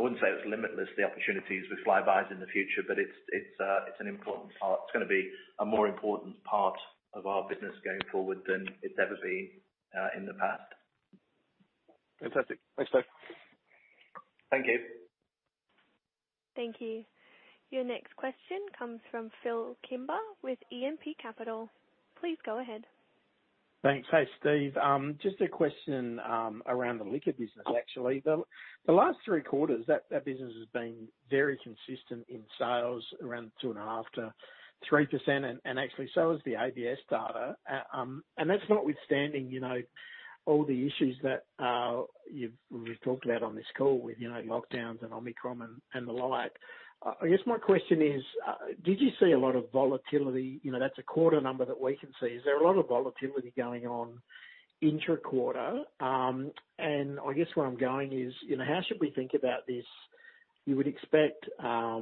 I wouldn't say it's limitless, the opportunities with Flybuys in the future, but it's an important part. It's gonna be a more important part of our business going forward than it's ever been in the past. Fantastic. Thanks, Steve. Thank you. Thank you. Your next question comes from Phillip Kimber with E&P Capital. Please go ahead. Thanks. Hey, Steven. Just a question around the liquor business actually. The last three quarters, that business has been very consistent in sales around 2.5%-3%, and actually so has the ABS data. That's notwithstanding, you know, all the issues that we've talked about on this call with, you know, lockdowns and Omicron and the like. I guess my question is, did you see a lot of volatility? You know, that's a quarter number that we can see. Is there a lot of volatility going on intra-quarter? I guess where I'm going is, you know, how should we think about this? You would expect a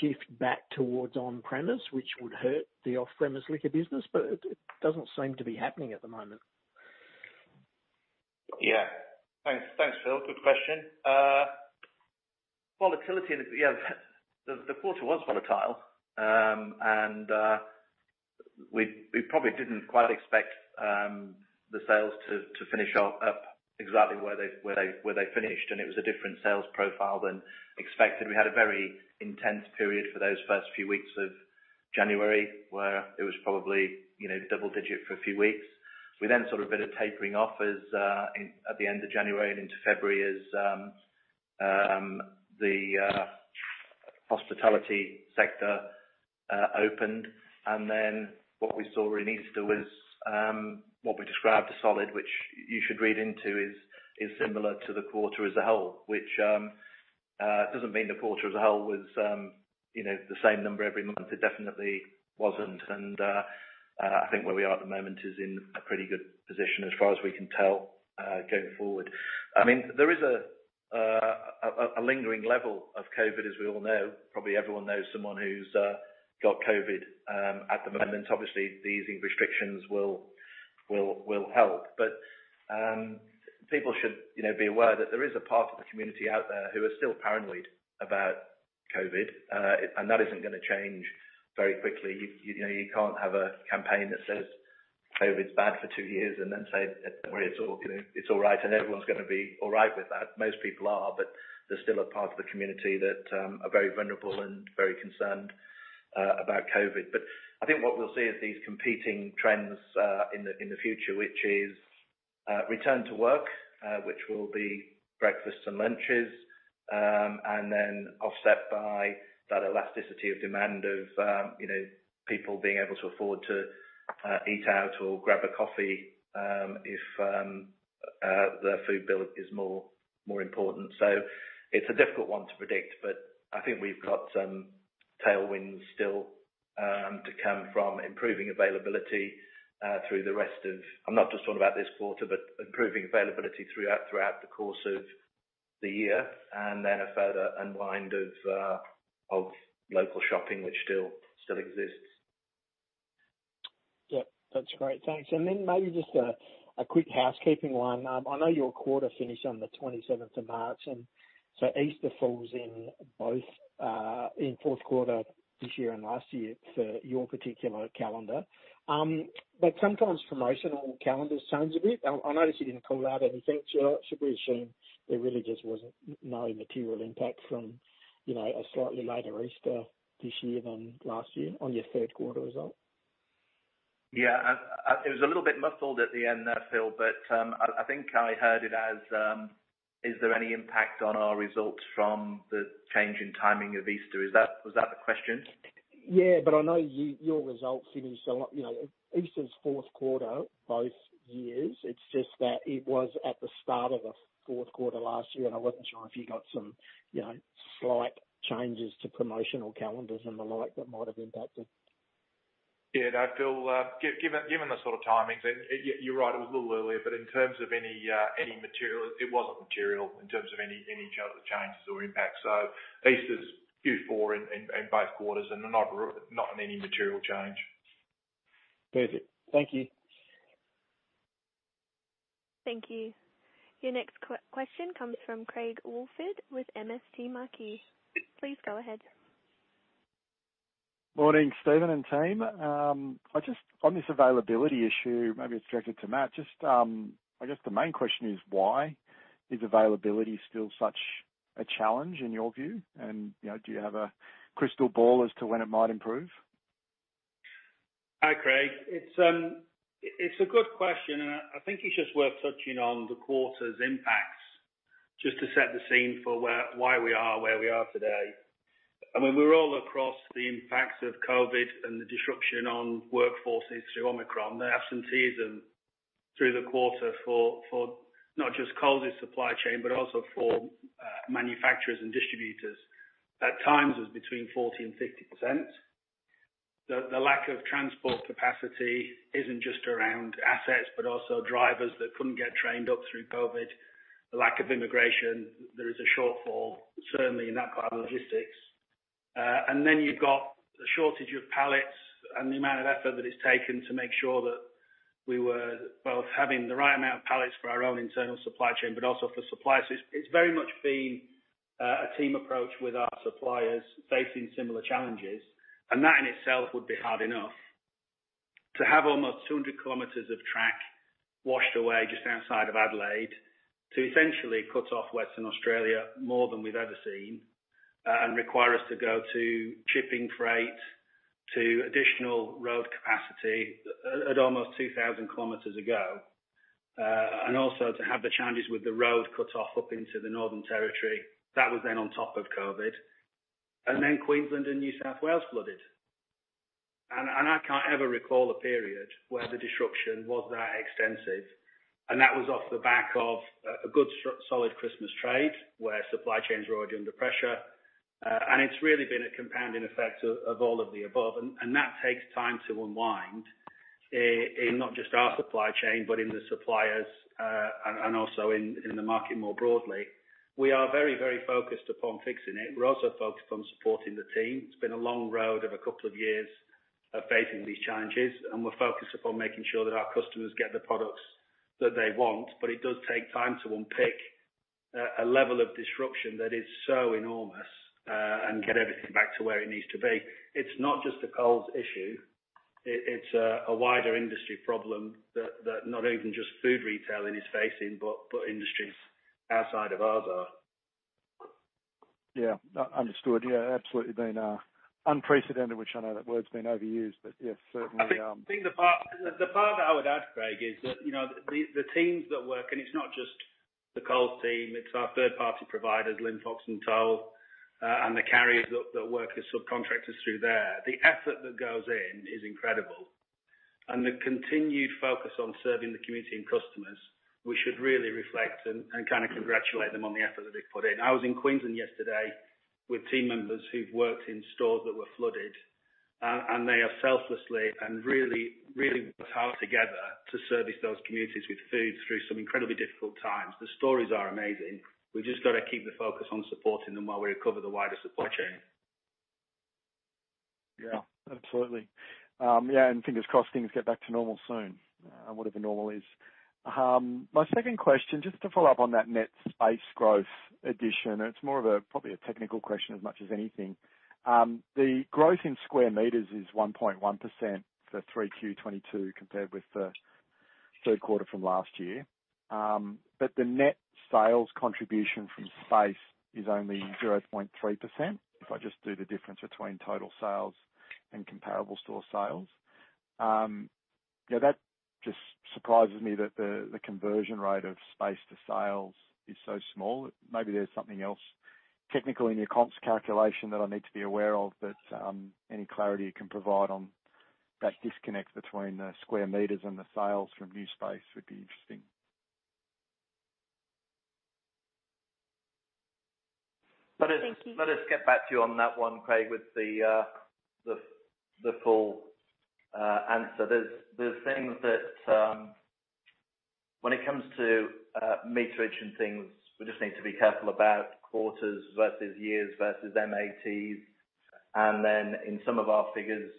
shift back towards on-premise, which would hurt the off-premise liquor business, but it doesn't seem to be happening at the moment. Yeah. Thanks. Thanks, Phil. Good question. Volatility in the... Yeah, the quarter was volatile. We probably didn't quite expect the sales to finish off up exactly where they finished, and it was a different sales profile than expected. We had a very intense period for those first few weeks of January, where it was probably, you know, double digit for a few weeks. We then saw a bit of tapering off at the end of January and into February as the hospitality sector opened. Then what we saw in Easter was what we described as solid, which you should read into is similar to the quarter as a whole, which doesn't mean the quarter as a whole was, you know, the same number every month. It definitely wasn't. I think where we are at the moment is in a pretty good position as far as we can tell, going forward. I mean, there is a lingering level of COVID, as we all know. Probably everyone knows someone who's got COVID at the moment. Obviously, the easing restrictions will help, but people should, you know, be aware that there is a part of the community out there who are still paranoid about COVID, and that isn't gonna change very quickly. You know, you can't have a campaign that says COVID's bad for two years and then say, "Don't worry, it's all, you know, it's all right," and everyone's gonna be all right with that. Most people are, but there's still a part of the community that are very vulnerable and very concerned about COVID. I think what we'll see is these competing trends in the future, which is return to work, which will be breakfasts and lunches, and then offset by that elasticity of demand of you know, people being able to afford to eat out or grab a coffee if their food bill is more important. It's a difficult one to predict, but I think we've got some tailwinds still to come from improving availability. I'm not just talking about this quarter, but improving availability throughout the course of the year, and then a further unwind of local shopping, which still exists. Yeah, that's great. Thanks. Maybe just a quick housekeeping one. I know your quarter finished on March 27th, and Easter falls in both in fourth quarter this year and last year for your particular calendar. Sometimes promotional calendars change a bit. I noticed you didn't call out anything. Should we assume there really just wasn't no material impact from, you know, a slightly later Easter this year than last year on your third quarter result? Yeah. It was a little bit muffled at the end there, Phil, but I think I heard it as, is there any impact on our results from the change in timing of Easter? Is that? Was that the question? Yeah, I know your results finish a lot, you know, Easter is fourth quarter both years. It's just that it was at the start of the fourth quarter last year, and I wasn't sure if you got some, you know, slight changes to promotional calendars and the like that might have impacted. Yeah. No, Phil, given the sort of timings and you're right, it was a little earlier, but in terms of any material, it wasn't material in terms of any changes or impacts. Easter's Q4 in both quarters, and they're not in any material change. Perfect. Thank you. Thank you. Your next question comes from Craig Woolford with MST Marquee. Please go ahead. Morning, Steven and team. On this availability issue, maybe it's directed to Matt, just, I guess the main question is why is availability still such a challenge in your view? You know, do you have a crystal ball as to when it might improve? Hi, Craig. It's a good question, and I think it's just worth touching on the quarter's impacts just to set the scene for why we are where we are today. I mean, we're all across the impacts of COVID and the disruption on workforces through Omicron. The absentees through the quarter for not just Coles' supply chain, but also for manufacturers and distributors at times was between 40%-50%. The lack of transport capacity isn't just around assets, but also drivers that couldn't get trained up through COVID, the lack of immigration. There is a shortfall certainly in that part of logistics. Then you've got the shortage of pallets and the amount of effort that is taken to make sure that we were both having the right amount of pallets for our own internal supply chain, but also for suppliers. It's very much been a team approach with our suppliers facing similar challenges, and that in itself would be hard enough. To have almost 200 km of track washed away just outside of Adelaide to essentially cut off Western Australia more than we've ever seen, and require us to go to shipping freight, to additional road capacity at almost 2,000 km away, and also to have the challenges with the road cut off up into the Northern Territory, that was then on top of COVID. Queensland and New South Wales flooded. I can't ever recall a period where the disruption was that extensive, and that was off the back of a good solid Christmas trade where supply chains were already under pressure. It's really been a compounding effect of all of the above. That takes time to unwind in not just our supply chain, but in the suppliers, and also in the market more broadly. We are very focused upon fixing it. We're also focused on supporting the team. It's been a long road of a couple of years of facing these challenges, and we're focused upon making sure that our customers get the products that they want. It does take time to unpick a level of disruption that is so enormous, and get everything back to where it needs to be. It's not just a Coles issue. It's a wider industry problem that not even just food retailing is facing, but industries outside of ours are. Yeah. Understood. Yeah, absolutely been unprecedented, which I know that word's been overused, but yes, certainly. I think the part that I would add, Craig, is that, you know, the teams that work, and it's not just the Coles team, it's our third-party providers, Linfox and Toll, and the carriers that work as subcontractors through there. The effort that goes in is incredible and the continued focus on serving the community and customers. We should really reflect and kinda congratulate them on the effort that they've put in. I was in Queensland yesterday with team members who've worked in stores that were flooded, and they are selflessly and really worked hard together to service those communities with food through some incredibly difficult times. The stories are amazing. We've just got to keep the focus on supporting them while we recover the wider supply chain. Yeah, absolutely. Yeah, fingers crossed things get back to normal soon, whatever normal is. My second question, just to follow up on that net space growth addition, it's more of a probably a technical question as much as anything. The growth in square meters is 1.1% for 3Q 2022 compared with the third quarter from last year. The net sales contribution from space is only 0.3% if I just do the difference between total sales and comparable store sales. Yeah, that just surprises me that the conversion rate of space to sales is so small. Maybe there's something else technical in your comps calculation that I need to be aware of, but any clarity you can provide on that disconnect between the square meters and the sales from new space would be interesting. Thank you. Let us get back to you on that one, Craig, with the full answer. There's things that When it comes to meterage and things, we just need to be careful about quarters versus years versus MATs. Then in some of our figures,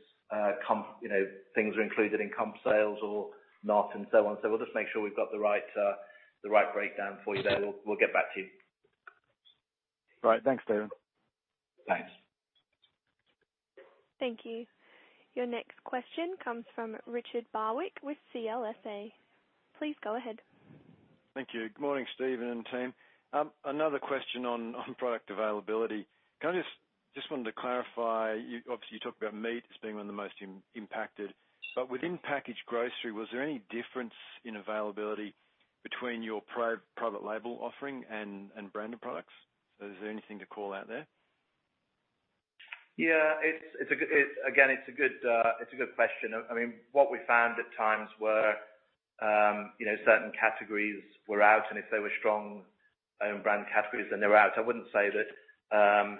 you know, things are included in comp sales or not and so on. We'll just make sure we've got the right breakdown for you there. We'll get back to you. Right. Thanks, Steven. Thanks. Thank you. Your next question comes from Richard Barwick with CLSA. Please go ahead. Thank you. Good morning, Steven and team. Another question on product availability. Just wanted to clarify, obviously, you talked about meat as being one of the most impacted. But within packaged grocery, was there any difference in availability between your private label offering and branded products? Is there anything to call out there? It's a good question. Again, it's a good question. I mean, what we found at times were you know, certain categories were out, and if they were strong Own Brand categories, then they were out. I wouldn't say that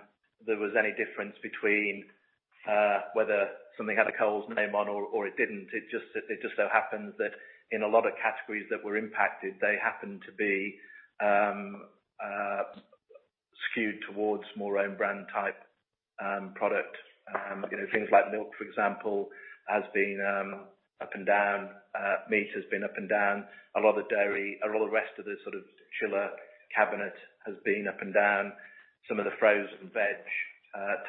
there was any difference between whether something had a Coles name on or it didn't. It just so happened that in a lot of categories that were impacted, they happened to be skewed towards more Own Brand type product. You know, things like milk, for example, has been up and down. Meat has been up and down. A lot of the dairy, a lot of the rest of the sort of chiller cabinet has been up and down. Some of the frozen veg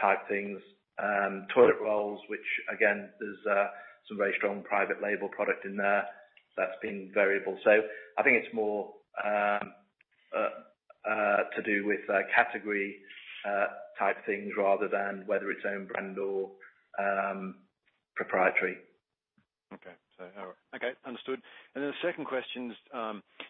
type things, toilet rolls, which again, there's some very strong private label product in there that's been variable. I think it's more to do with category type things rather than whether it's Own Brand or proprietary. Okay. All right. Okay, understood. Then the second question is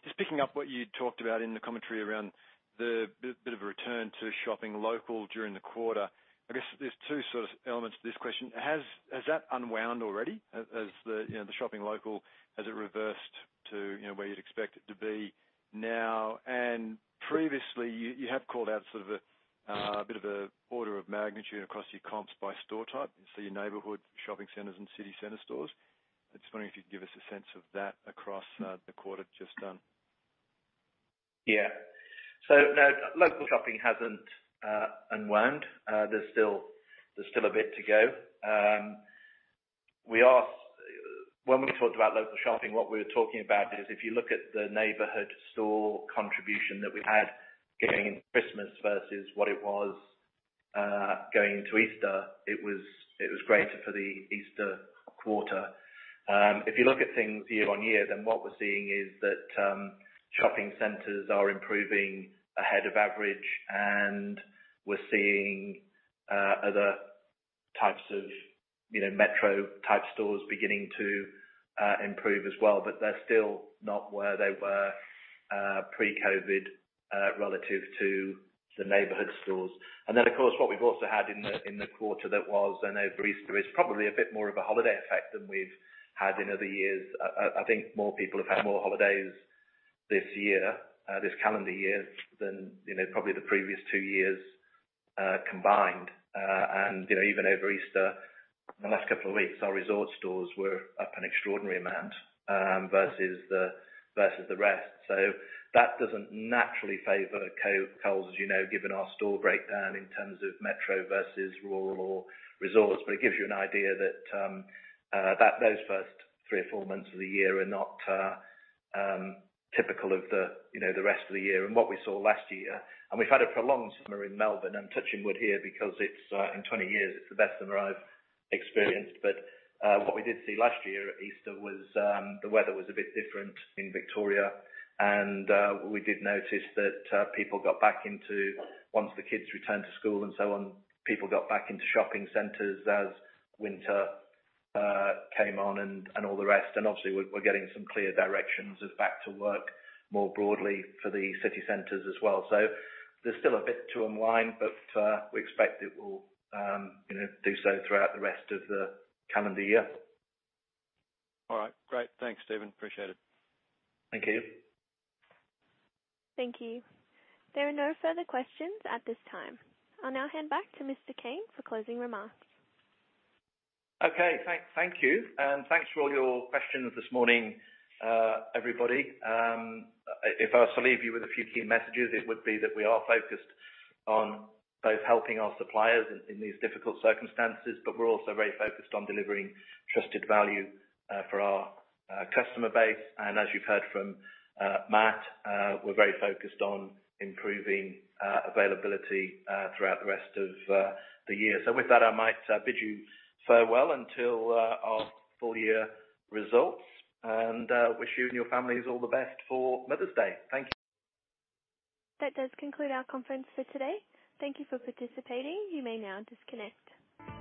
just picking up what you talked about in the commentary around the bit of a return to shopping local during the quarter. I guess there's two sort of elements to this question. Has that unwound already? As the, you know, the shopping local, has it reversed to, you know, where you'd expect it to be now? Previously, you have called out sort of a bit of a order of magnitude across your comps by store type. Your neighborhood shopping centers and city center stores. I'm just wondering if you could give us a sense of that across the quarter just done. Yeah. No, local shopping hasn't unwound. There's still a bit to go. When we talked about local shopping, what we were talking about is if you look at the neighborhood store contribution that we had going into Christmas versus what it was going into Easter, it was greater for the Easter quarter. If you look at things year-on-year, what we're seeing is that shopping centers are improving ahead of average, and we're seeing other types of, you know, metro type stores beginning to improve as well. They're still not where they were pre-COVID relative to the neighborhood stores. Of course, what we've also had in the quarter that was, I know over Easter, is probably a bit more of a holiday effect than we've had in other years. I think more people have had more holidays this year, this calendar year than, you know, probably the previous two years, combined. You know, even over Easter, the last couple of weeks, our resort stores were up an extraordinary amount, versus the rest. So that doesn't naturally favor Coles, as you know, given our store breakdown in terms of metro versus rural or resorts. It gives you an idea that those first three or four months of the year are not typical of the rest of the year and what we saw last year. We've had a prolonged summer in Melbourne. I'm touching wood here because it's, in 20 years, it's the best summer I've experienced. What we did see last year at Easter was, the weather was a bit different in Victoria. We did notice that once the kids returned to school and so on, people got back into shopping centers as winter came on and all the rest. Obviously, we're getting some clear directions as back to work more broadly for the city centers as well. There's still a bit to unwind, but we expect it will, you know, do so throughout the rest of the calendar year. All right. Great. Thanks, Steven. Appreciate it. Thank you. Thank you. There are no further questions at this time. I'll now hand back to Mr. Cain for closing remarks. Okay. Thank you. Thanks for all your questions this morning, everybody. If I was to leave you with a few key messages, it would be that we are focused on both helping our suppliers in these difficult circumstances, but we're also very focused on delivering trusted value for our customer base. As you've heard from Matt, we're very focused on improving availability throughout the rest of the year. With that, I might bid you farewell until our full year results. Wish you and your families all the best for Mother's Day. Thank you. That does conclude our conference for today. Thank you for participating. You may now disconnect.